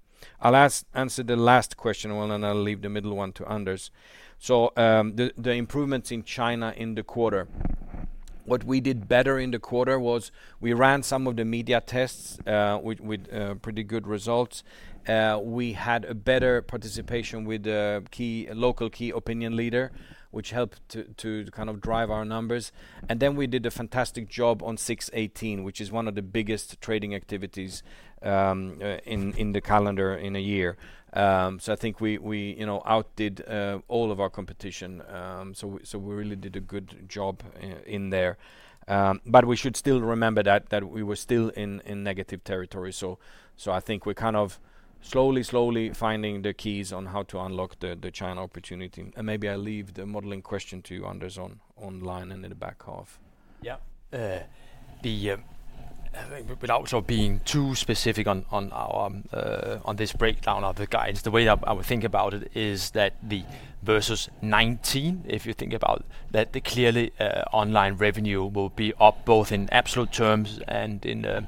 I'll answer the last question, and then I'll leave the middle one to Anders. The improvements in China in the quarter. What we did better in the quarter was we ran some of the media tests, with pretty good results. We had a better participation with the local key opinion leader, which helped to kind of drive our numbers. We did a fantastic job on 618, which is one of the biggest trading activities in the calendar in a year. I think we outdid all of our competition. We really did a good job in there. We should still remember that we were still in negative territory. I think we're kind of slowly finding the keys on how to unlock the China opportunity. Maybe I leave the modeling question to Anders on online and in the back half. Yeah. Without being too specific on this breakdown of the guides, the way I would think about it is that the versus 2019, if you think about that, clearly online revenue will be up both in absolute terms and in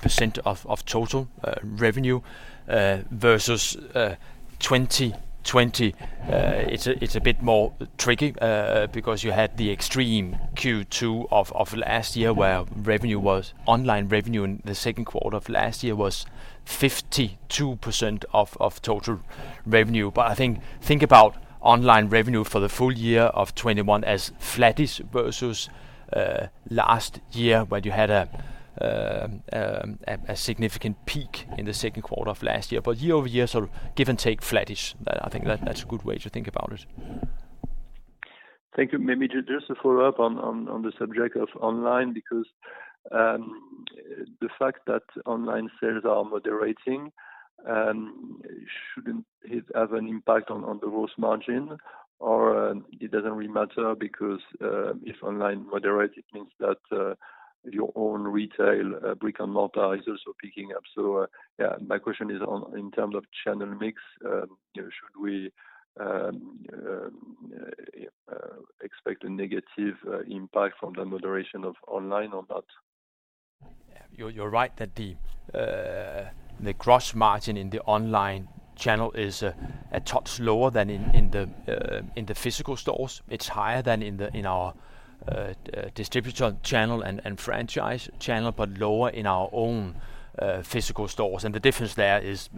percent of total revenue, versus 2020, it's a bit more tricky, because you had the extreme Q2 of last year where online revenue in the second quarter of last year was 52% of total revenue. I think about online revenue for the full year of 2021 as flattish versus last year when you had a significant peak in the second quarter of last year. Year-over-year, sort of give and take flattish. I think that's a good way to think about it. Thank you. Maybe just to follow up on the subject of online, because the fact that online sales are moderating shouldn't have an impact on the gross margin, or it doesn't really matter because, if online moderate, it means that your own retail brick and mortar is also picking up. Yeah, my question is on, in term of channel mix, should we expect a negative impact from the moderation of online or not? You're right that the gross margin in the online channel is a touch lower than in the physical stores. It's higher than in our distributor channel and franchise channel, but lower in our own physical stores. The difference there is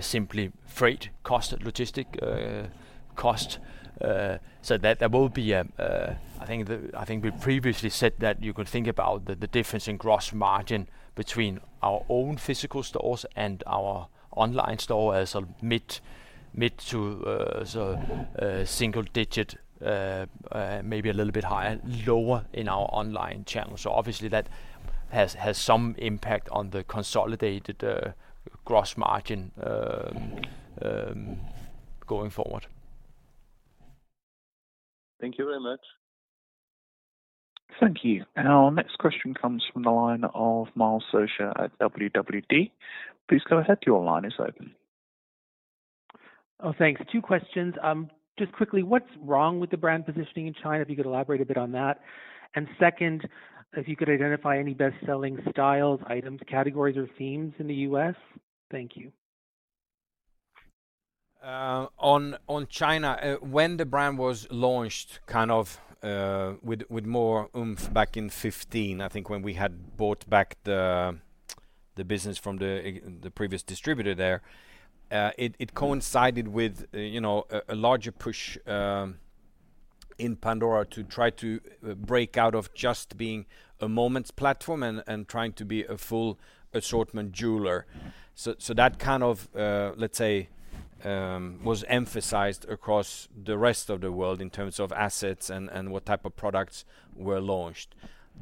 simply freight cost, logistic cost. That will be, I think we previously said that you could think about the difference in gross margin between our own physical stores and our online store as a mid to single-digit, maybe a little bit higher, lower in our online channel. Obviously, that has some impact on the consolidated gross margin going forward. Thank you very much. Thank you. Our next question comes from the line of Miles Socha at WWD. Please go ahead. Your line is open. Thanks. Two questions. Just quickly, what's wrong with the brand positioning in China, if you could elaborate a bit on that? Second, if you could identify any best-selling styles, items, categories, or themes in the U.S. Thank you. On China, when the brand was launched with more oomph back in 2015, I think when we had bought back the business from the previous distributor there, it coincided with a larger push in Pandora to try to break out of just being a Moments platform and trying to be a full assortment jeweler. That, let's say, was emphasized across the rest of the world in terms of assets and what type of products were launched.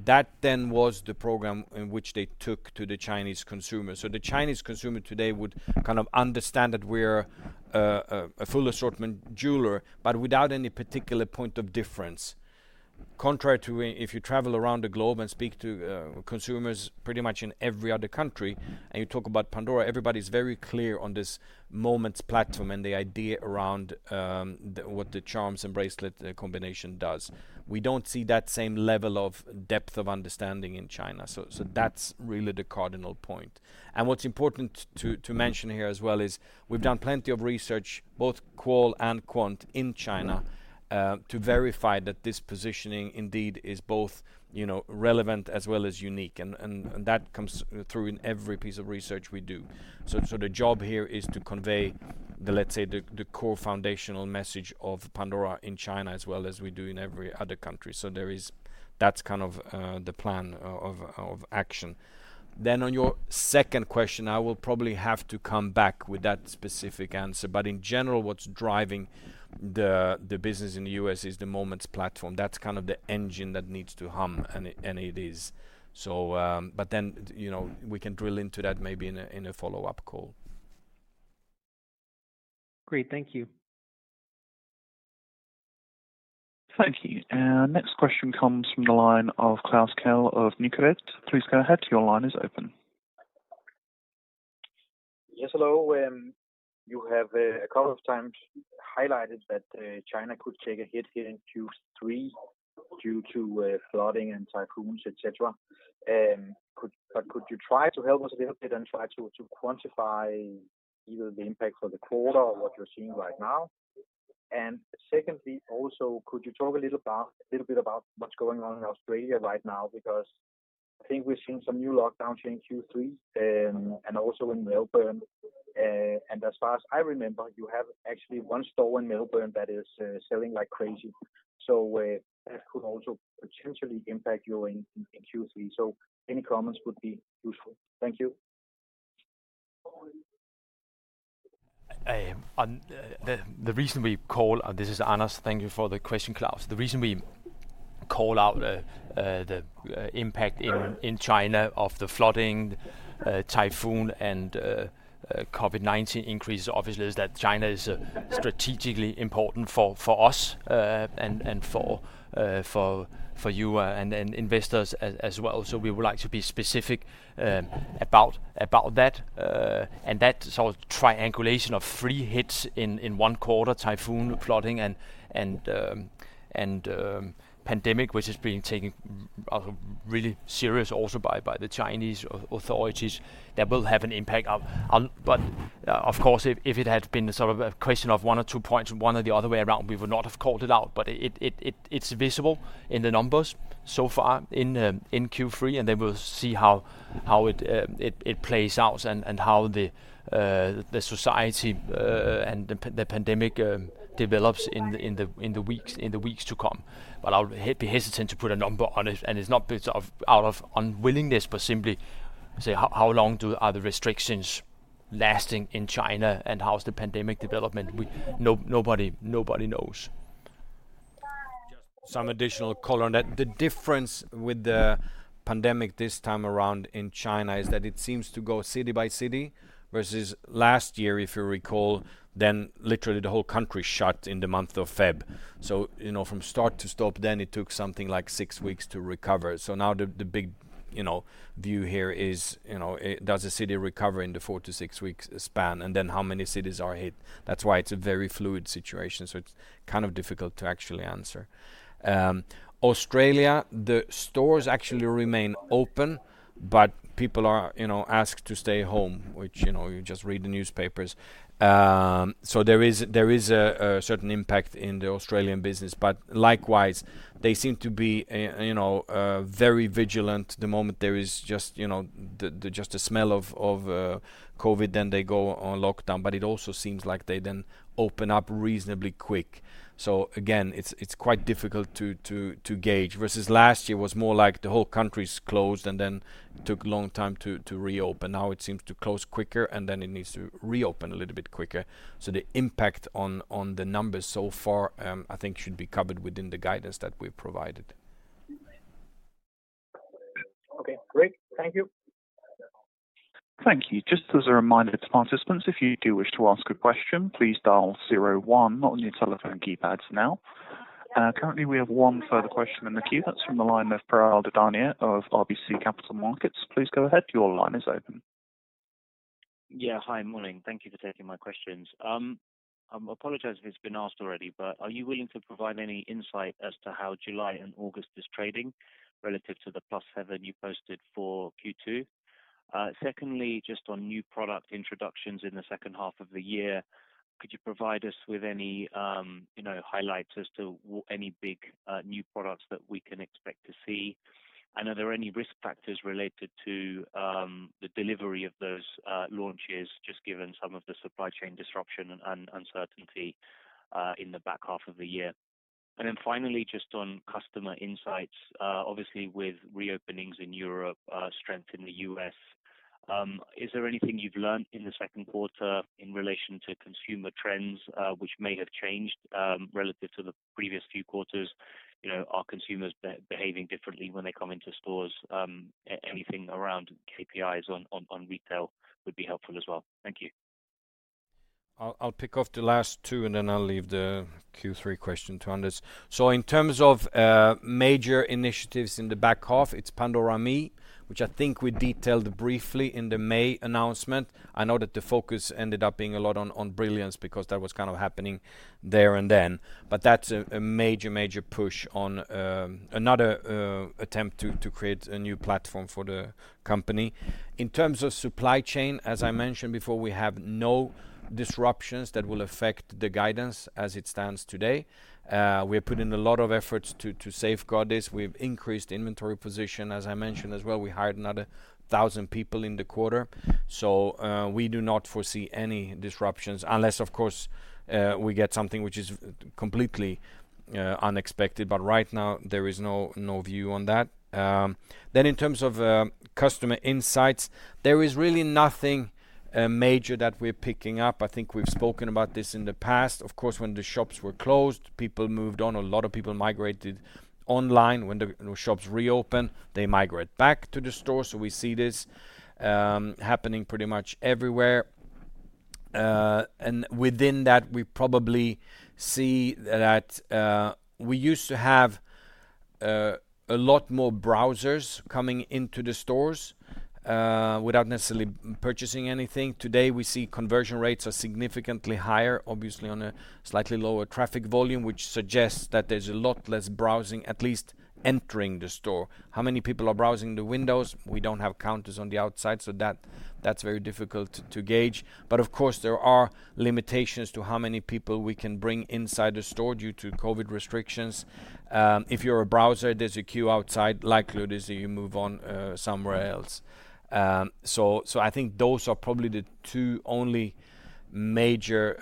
That then was the program in which they took to the Chinese consumer. The Chinese consumer today would kind of understand that we're a full assortment jeweler, but without any particular point of difference. Contrary to if you travel around the globe and speak to consumers pretty much in every other country, and you talk about Pandora, everybody's very clear on this Moments platform and the idea around what the charms and bracelet combination does. We don't see that same level of depth of understanding in China. That's really the cardinal point. What's important to mention here as well is we've done plenty of research, both qual and quant in China, to verify that this positioning indeed is both relevant as well as unique, and that comes through in every piece of research we do. The job here is to convey the core foundational message of Pandora in China as well as we do in every other country. That's kind of the plan of action. On your second question, I will probably have to come back with that specific answer. In general, what's driving the business in the U.S. is the Moments platform. That's kind of the engine that needs to hum, and it is. We can drill into that maybe in a follow-up call. Great. Thank you. Thank you. Our next question comes from the line of Klaus Kehl of Nykredit. Yes, hello. You have a couple of times highlighted that China could take a hit here in Q3 due to flooding and typhoons, et cetera. Could you try to help us a little bit and try to quantify either the impact for the quarter or what you're seeing right now? Secondly, also, could you talk a little bit about what's going on in Australia right now? Because I think we've seen some new lockdowns here in Q3, and also in Melbourne. As far as I remember, you have actually one store in Melbourne that is selling like crazy. That could also potentially impact you in Q3. Any comments would be useful. Thank you. The reason we call—Thank you for the question, Klaus. The reason we call out the impact in China of the flooding, typhoon, and COVID-19 increase, obviously, is that China is strategically important for us and for you and investors as well. We would like to be specific about that. That sort of triangulation of three hits in one quarter, typhoon, flooding, and pandemic, which is being taken really serious also by the Chinese authorities, that will have an impact. Of course, if it had been sort of a question of 1 or 2 points 1 or the other way around, we would not have called it out, but it is visible in the numbers so far in Q3, and then we will see how it plays out and how the society and the pandemic develops in the weeks to come. I'll be hesitant to put a number on it, and it's not out of unwillingness, but simply say, how long are the restrictions lasting in China, and how is the pandemic development? Nobody knows. Just some additional color on that. The difference with the pandemic this time around in China is that it seems to go city by city, versus last year, if you recall, then literally the whole country shut in the month of February. From start to stop then, it took something like six weeks to recover. Now the big view here is, does the city recover in the four to six weeks span, and then how many cities are hit? That's why it's a very fluid situation. It's kind of difficult to actually answer. Australia, the stores actually remain open, but people are asked to stay home, which you just read in the newspapers. There is a certain impact in the Australian business, but likewise, they seem to be very vigilant. The moment there is just the smell of COVID, then they go on lockdown. It also seems like they then open up reasonably quick. Again, it's quite difficult to gauge, versus last year was more like the whole country's closed and then took a long time to reopen. Now it seems to close quicker, and then it needs to reopen a little bit quicker. The impact on the numbers so far, I think should be covered within the guidance that we've provided. Okay, great. Thank you. Thank you. Just as a reminder to participants, if you do wish to ask a question, please dial zero one on your telephone keypads now. Currently, we have one further question in the queue. That's from the line of Piral Dadhania of RBC Capital Markets. Please go ahead. Your line is open. Yeah. Hi, morning. Thank you for taking my questions. I apologize if it's been asked already, but are you willing to provide any insight as to how July and August is trading relative to the +7% you posted for Q2? Secondly, just on new product introductions in the second half of the year, could you provide us with any highlights as to any big, new products that we can expect to see? Are there any risk factors related to the delivery of those launches, just given some of the supply chain disruption and uncertainty in the back half of the year? Finally, just on customer insights, obviously with reopenings in Europe, strength in the U.S., is there anything you've learned in the second quarter in relation to consumer trends, which may have changed, relative to the previous few quarters? Are consumers behaving differently when they come into stores? Anything around KPIs on retail would be helpful as well. Thank you. I'll pick off the last two and then I'll leave the Q3 question to Anders. In terms of major initiatives in the back half, it's Pandora ME, which I think we detailed briefly in the May announcement. I know that the focus ended up being a lot on Brilliance because that was kind of happening there and then. That's a major push on another attempt to create a new platform for the company. In terms of supply chain, as I mentioned before, we have no disruptions that will affect the guidance as it stands today. We have put in a lot of efforts to safeguard this. We've increased inventory position, as I mentioned as well. We hired another 1,000 people in the quarter. We do not foresee any disruptions unless, of course, we get something which is completely unexpected. Right now, there is no view on that. In terms of customer insights, there is really nothing major that we're picking up. I think we've spoken about this in the past. Of course, when the shops were closed, people moved on. A lot of people migrated online. When the shops reopen, they migrate back to the store. We see this happening pretty much everywhere. Within that, we probably see that we used to have a lot more browsers coming into the stores without necessarily purchasing anything. Today, we see conversion rates are significantly higher, obviously, on a slightly lower traffic volume, which suggests that there's a lot less browsing, at least entering the store. How many people are browsing the windows? We don't have counters on the outside, so that's very difficult to gauge. Of course, there are limitations to how many people we can bring inside the store due to COVID restrictions. If you're a browser, there's a queue outside, likelihood is that you move on somewhere else. I think those are probably the two only major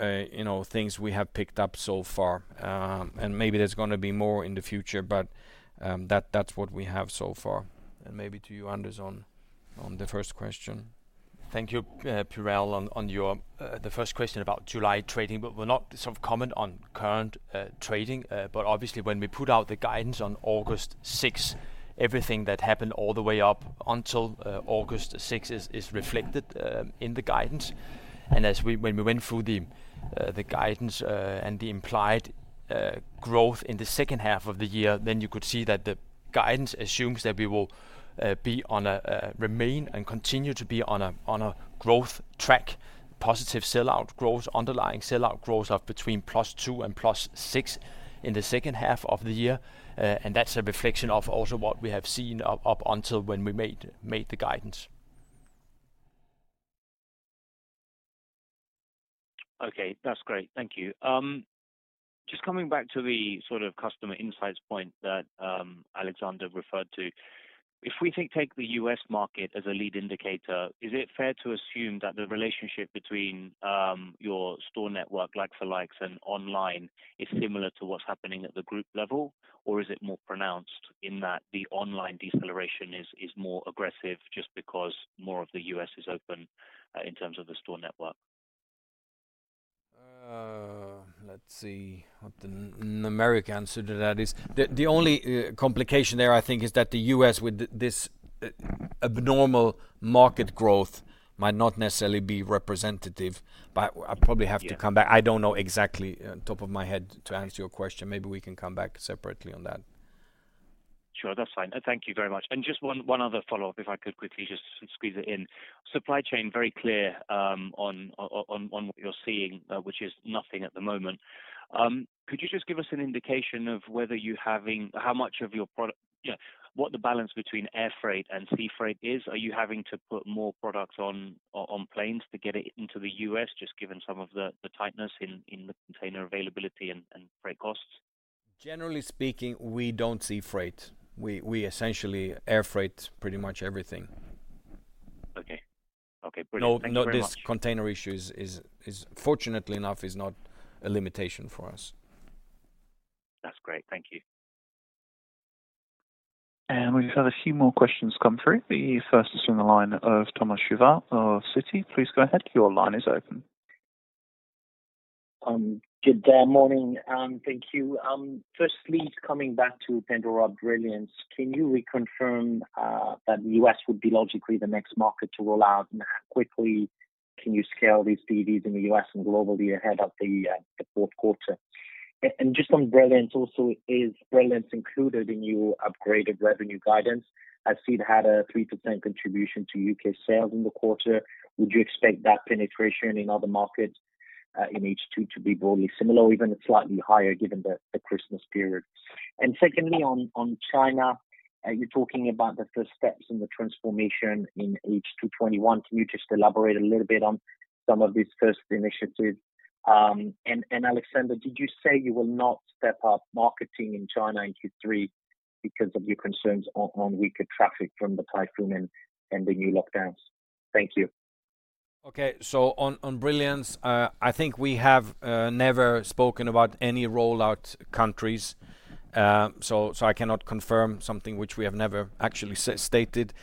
things we have picked up so far. Maybe there's going to be more in the future, but that's what we have so far. Maybe to you, Anders, on the first question. Thank you, Piral, on the first question about July trading. We'll not sort of comment on current trading. Obviously when we put out the guidance on August 6th, everything that happened all the way up until August 6th is reflected in the guidance. When we went through the guidance, and the implied growth in the second half of the year, you could see that the guidance assumes that we will remain and continue to be on a growth track, positive sell-out growth, underlying sell-out growth of between +2% and +6% in the second half of the year. That's a reflection of also what we have seen up until when we made the guidance. Okay. That's great. Thank you. Just coming back to the sort of customer insights point that Alexander referred to. If we take the U.S. market as a lead indicator, is it fair to assume that the relationship between your store network likes for likes and online is similar to what's happening at the group level? Is it more pronounced in that the online deceleration is more aggressive just because more of the U.S. is open, in terms of the store network? Let's see what the numeric answer to that is. The only complication there, I think, is that the U.S. with this abnormal market growth might not necessarily be representative, but I probably have to come back. I don't know exactly top of my head to answer your question. Maybe we can come back separately on that. Sure. That's fine. Thank you very much. Just one other follow-up, if I could quickly just squeeze it in. Supply chain, very clear on what you're seeing, which is nothing at the moment. Could you just give us an indication of what the balance between air freight and sea freight is? Are you having to put more products on planes to get it into the U.S., just given some of the tightness in the container availability and freight costs? Generally speaking, we don't sea freight. We essentially air freight pretty much everything. Okay. Okay, brilliant. Thank you very much. No, this container issue, fortunately enough, is not a limitation for us. That's great. Thank you. We just have a few more questions come through. The first is from the line of Thomas Chauvet of Citi. Please go ahead. Your line is open. Good day. Morning. Thank you. Firstly, coming back to Pandora Brilliance, can you reconfirm that U.S. would be logically the next market to roll out and how quickly can you scale these DDs in the U.S. and globally ahead of the fourth quarter? Just on Brilliance also, is Brilliance included in your upgraded revenue guidance? I've seen it had a 3% contribution to U.K. sales in the quarter. Would you expect that penetration in other markets in H2 to be broadly similar or even slightly higher given the Christmas period? Secondly, on China, you're talking about the first steps in the transformation in H2 2021. Can you just elaborate a little bit on some of these first initiatives? Alexander, did you say you will not step up marketing in China in Q3 because of your concerns on weaker traffic from the typhoon and the new lockdowns? Thank you. Okay. On Brilliance, I think we have never spoken about any rollout countries, so I cannot confirm something which we have never actually stated.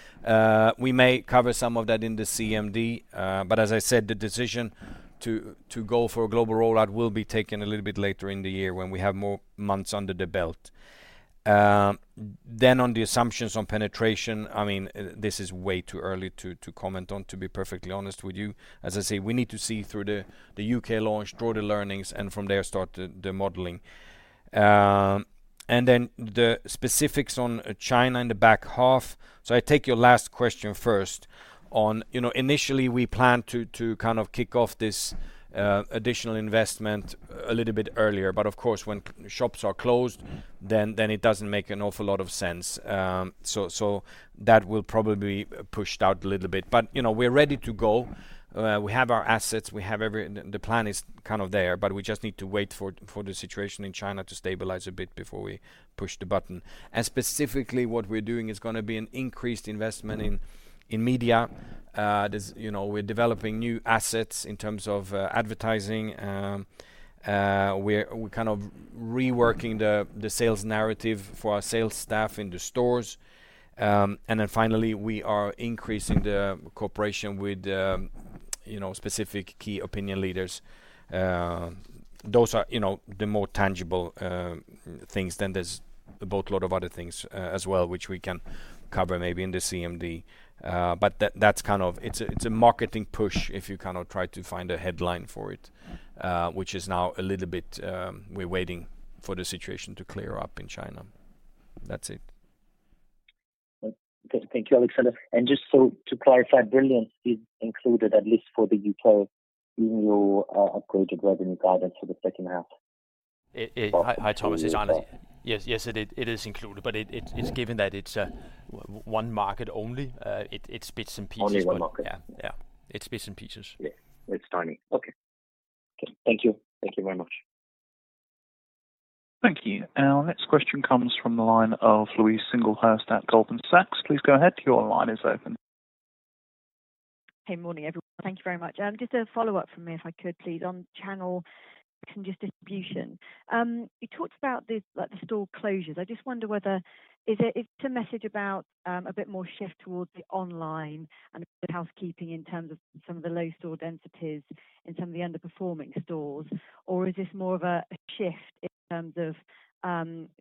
We may cover some of that in the CMD, but as I said, the decision to go for a global rollout will be taken a little bit later in the year when we have more months under the belt. On the assumptions on penetration, this is way too early to comment on, to be perfectly honest with you. As I say, we need to see through the U.K. launch, draw the learnings, and from there start the modeling. The specifics on China in the back half. I take your last question first on initially we planned to kind of kick off this additional investment a little bit earlier, but of course, when shops are closed, then it doesn't make an awful lot of sense. That will probably be pushed out a little bit. We are ready to go. We have our assets, the plan is there, but we just need to wait for the situation in China to stabilize a bit before we push the button. Specifically, what we are doing is going to be an increased investment in media. We're developing new assets in terms of advertising. We're kind of reworking the sales narrative for our sales staff in the stores. Then finally, we are increasing the cooperation with specific key opinion leaders. Those are the more tangible things. There's a boatload of other things as well, which we can cover maybe in the CMD. It's a marketing push if you try to find a headline for it, which is now a little bit, we're waiting for the situation to clear up in China. That's it. Okay. Thank you, Alexander. Just so to clarify, Brilliance is included at least for the U.K. in your upgraded revenue guidance for the second half? Hi, Thomas. It's Anders. Yes, it is included, but it's given that it's one market only, it's bits and pieces. Only one market? Yeah. It's bits and pieces. Yeah. It's tiny. Okay. Thank you. Thank you very much. Thank you. Our next question comes from the line of Louise Singlehurst at Goldman Sachs. Please go ahead. Hey, morning everyone. Thank you very much. Just a follow-up from me, if I could please, on channel and just distribution. You talked about the store closures. I just wonder whether, is it a message about a bit more shift towards the online and a bit of housekeeping in terms of some of the low store densities in some of the underperforming stores, or is this more of a shift in terms of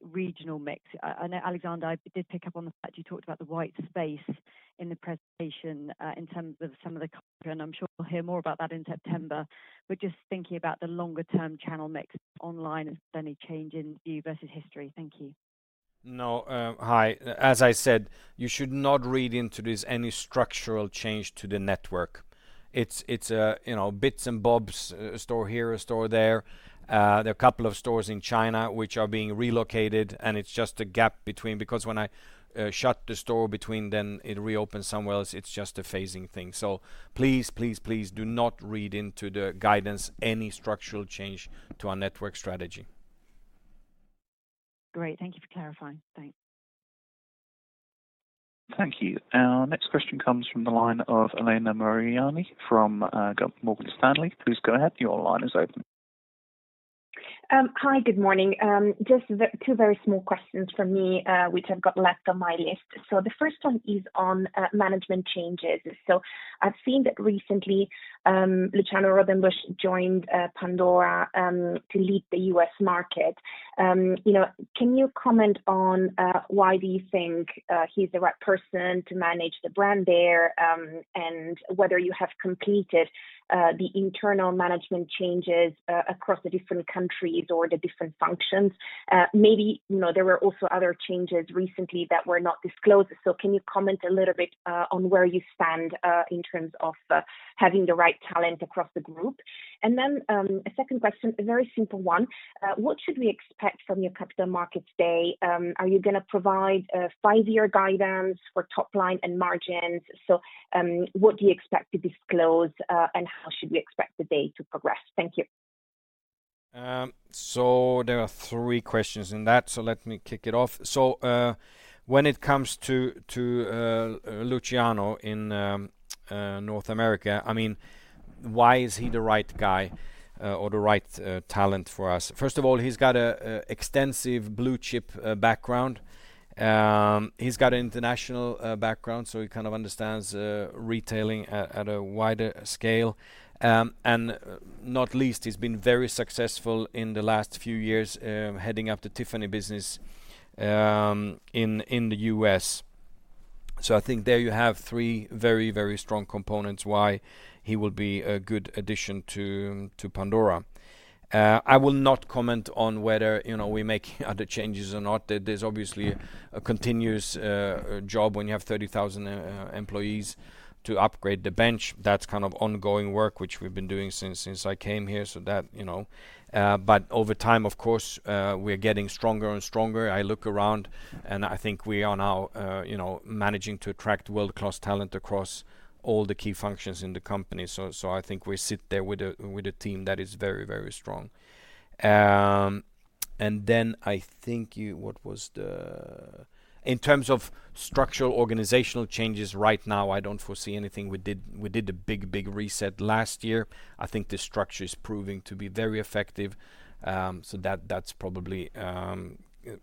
regional mix? I know Alexander, I did pick up on the fact you talked about the white space in the presentation, in terms of some of the cover, and I'm sure we'll hear more about that in September. Just thinking about the longer-term channel mix online, if there's any change in view versus history. Thank you. No. Hi. As I said, you should not read into this any structural change to the network. It's bits and bobs, a store here, a store there. There are a couple of stores in China which are being relocated, and it's just a gap because when I shut the store then it reopens somewhere else. It's just a phasing thing. Please do not read into the guidance any structural change to our network strategy. Great. Thank you for clarifying. Thanks. Thank you. Our next question comes from the line of Elena Mariani from Morgan Stanley. Hi. Good morning. Just two very small questions from me, which have got left on my list. The first one is on management changes. I've seen that recently Luciano Rodembusch joined Pandora to lead the U.S. market. Can you comment on why do you think he's the right person to manage the brand there, and whether you have completed the internal management changes across the different countries or the different functions? Maybe there were also other changes recently that were not disclosed. Can you comment a little bit on where you stand in terms of having the right talent across the group? A second question, a very simple one. What should we expect from your capital markets day? Are you going to provide five-year guidance for top line and margins? What do you expect to disclose, and how should we expect the day to progress? Thank you. There are three questions in that, let me kick it off. When it comes to Luciano in North America, why is he the right guy or the right talent for us? First of all, he's got a extensive blue chip background. He's got international background, he kind of understands retailing at a wider scale. Not least, he's been very successful in the last few years heading up the Tiffany business in the U.S. I think there you have three very strong components why he will be a good addition to Pandora. I will not comment on whether we make other changes or not. There's obviously a continuous job when you have 30,000 employees to upgrade the bench. That's kind of ongoing work, which we've been doing since I came here. Over time, of course, we're getting stronger and stronger. I look around and I think we are now managing to attract world-class talent across all the key functions in the company. I think we sit there with a team that is very strong. I think, in terms of structural organizational changes right now, I don't foresee anything. We did the big reset last year. I think the structure is proving to be very effective. That's probably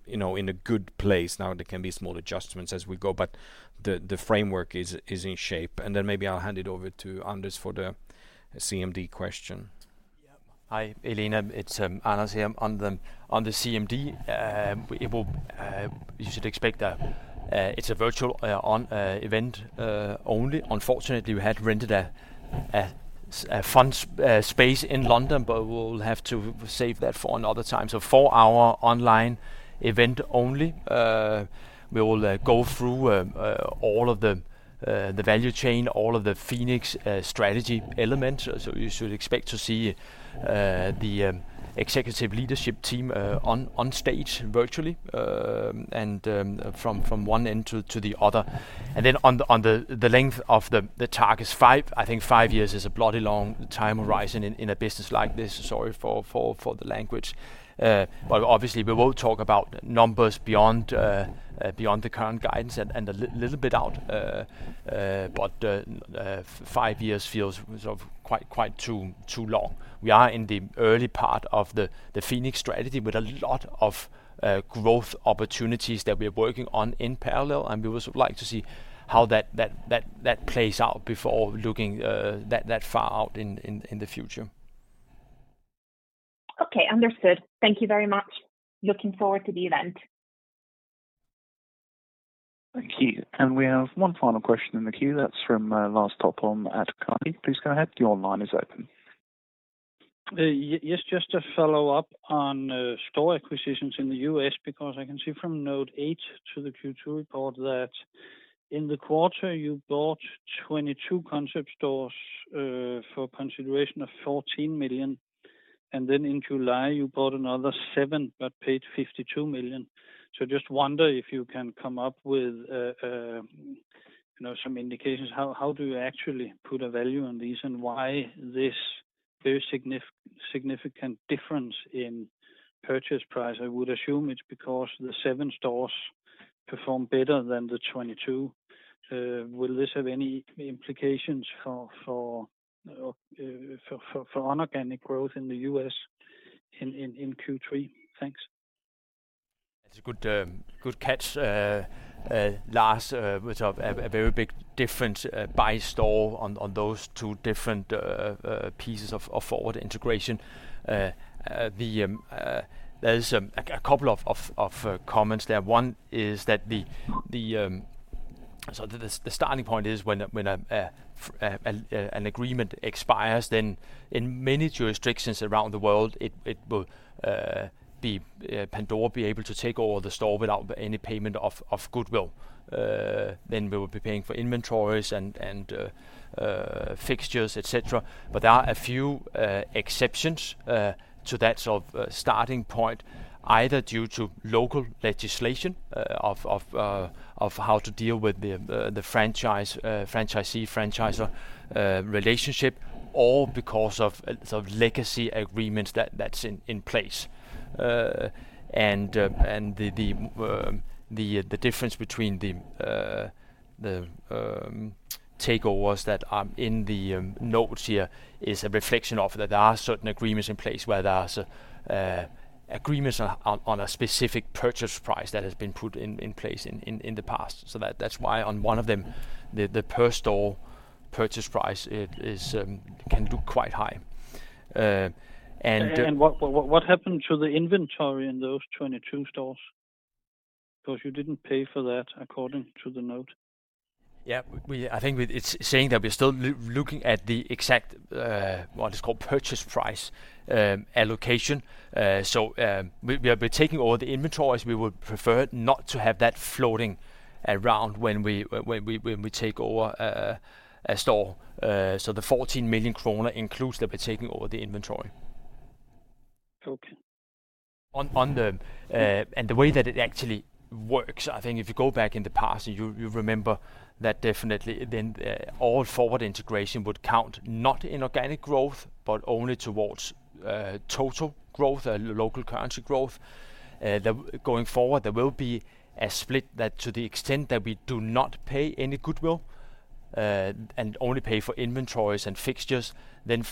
in a good place now. There can be small adjustments as we go, but the framework is in shape. Maybe I'll hand it over to Anders for the CMD question. Hi, Elena. It's Anders here. On the CMD, you should expect that it's a virtual event only. Unfortunately, we had rented a fun space in London, but we will have to save that for another time. Four-hour online event only. We will go through all of the value chain, all of the Phoenix strategy elements. You should expect to see the executive leadership team on stage virtually, and from one end to the other. On the length of the target is five. I think five years is a bloody long time horizon in a business like this. Sorry for the language. Obviously, we won't talk about numbers beyond the current guidance and a little bit out. Five years feels quite too long. We are in the early part of the Phoenix strategy with a lot of growth opportunities that we are working on in parallel, and we would like to see how that plays out before looking that far out in the future. Okay, understood. Thank you very much. Looking forward to the event. Thank you. We have one final question in the queue. That's from Lars Topholm at Carnegie. Please go ahead. Your line is open. Just a follow-up on store acquisitions in the U.S., because I can see from note 8 to the Q2 report that in the quarter you bought 22 concept stores for consideration of $14 million, and then in July you bought another seven, but paid $52 million. Just wonder if you can come up with some indications how do you actually put a value on these, and why this very significant difference in purchase price? I would assume it's because the seven stores perform better than the 22. Will this have any implications for inorganic growth in the U.S. in Q3? Thanks. That's a good catch, Lars. A very big difference by store on those two different pieces of forward integration. There's a couple of comments there. One is that the starting point is when an agreement expires, in many jurisdictions around the world, Pandora will be able to take over the store without any payment of goodwill. We will be paying for inventories and fixtures, et cetera. There are a few exceptions to that sort of starting point, either due to local legislation of how to deal with the franchisee-franchisor relationship, or because of legacy agreements that's in place. The difference between the takeovers that are in the notes here is a reflection of that there are certain agreements in place where there are agreements on a specific purchase price that has been put in place in the past. That's why on one of them, the per store purchase price can look quite high. What happened to the inventory in those 22 stores? You didn't pay for that according to the note. Yeah. I think it's saying that we're still looking at the exact, what is called purchase price allocation. We are taking over the inventories. We would prefer not to have that floating around when we take over a store. The 14 million kroner includes that we're taking over the inventory. Okay. The way that it actually works, I think if you go back in the past and you remember that definitely then all forward integration would count, not inorganic growth, but only towards total growth, local currency growth. Going forward, there will be a split that to the extent that we do not pay any goodwill, and only pay for inventories and fixtures, then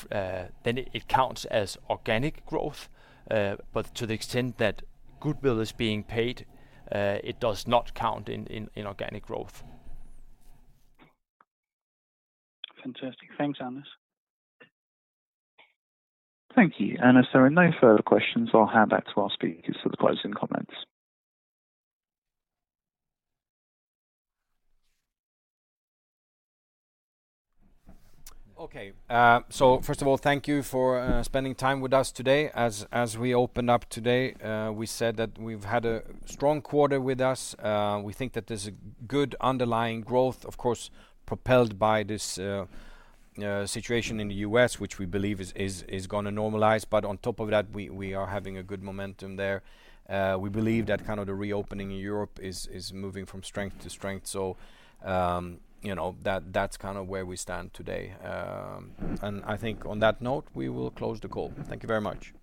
it counts as organic growth. To the extent that goodwill is being paid, it does not count in organic growth. Fantastic. Thanks, Anders. Thank you, Anders. There are no further questions. I'll hand back to our speakers for the closing comments. First of all, thank you for spending time with us today. As we opened up today, we said that we've had a strong quarter with us. We think that there's a good underlying growth, of course, propelled by this situation in the U.S., which we believe is going to normalize. On top of that, we are having a good momentum there. We believe that kind of the reopening in Europe is moving from strength to strength. That's kind of where we stand today. I think on that note, we will close the call. Thank you very much.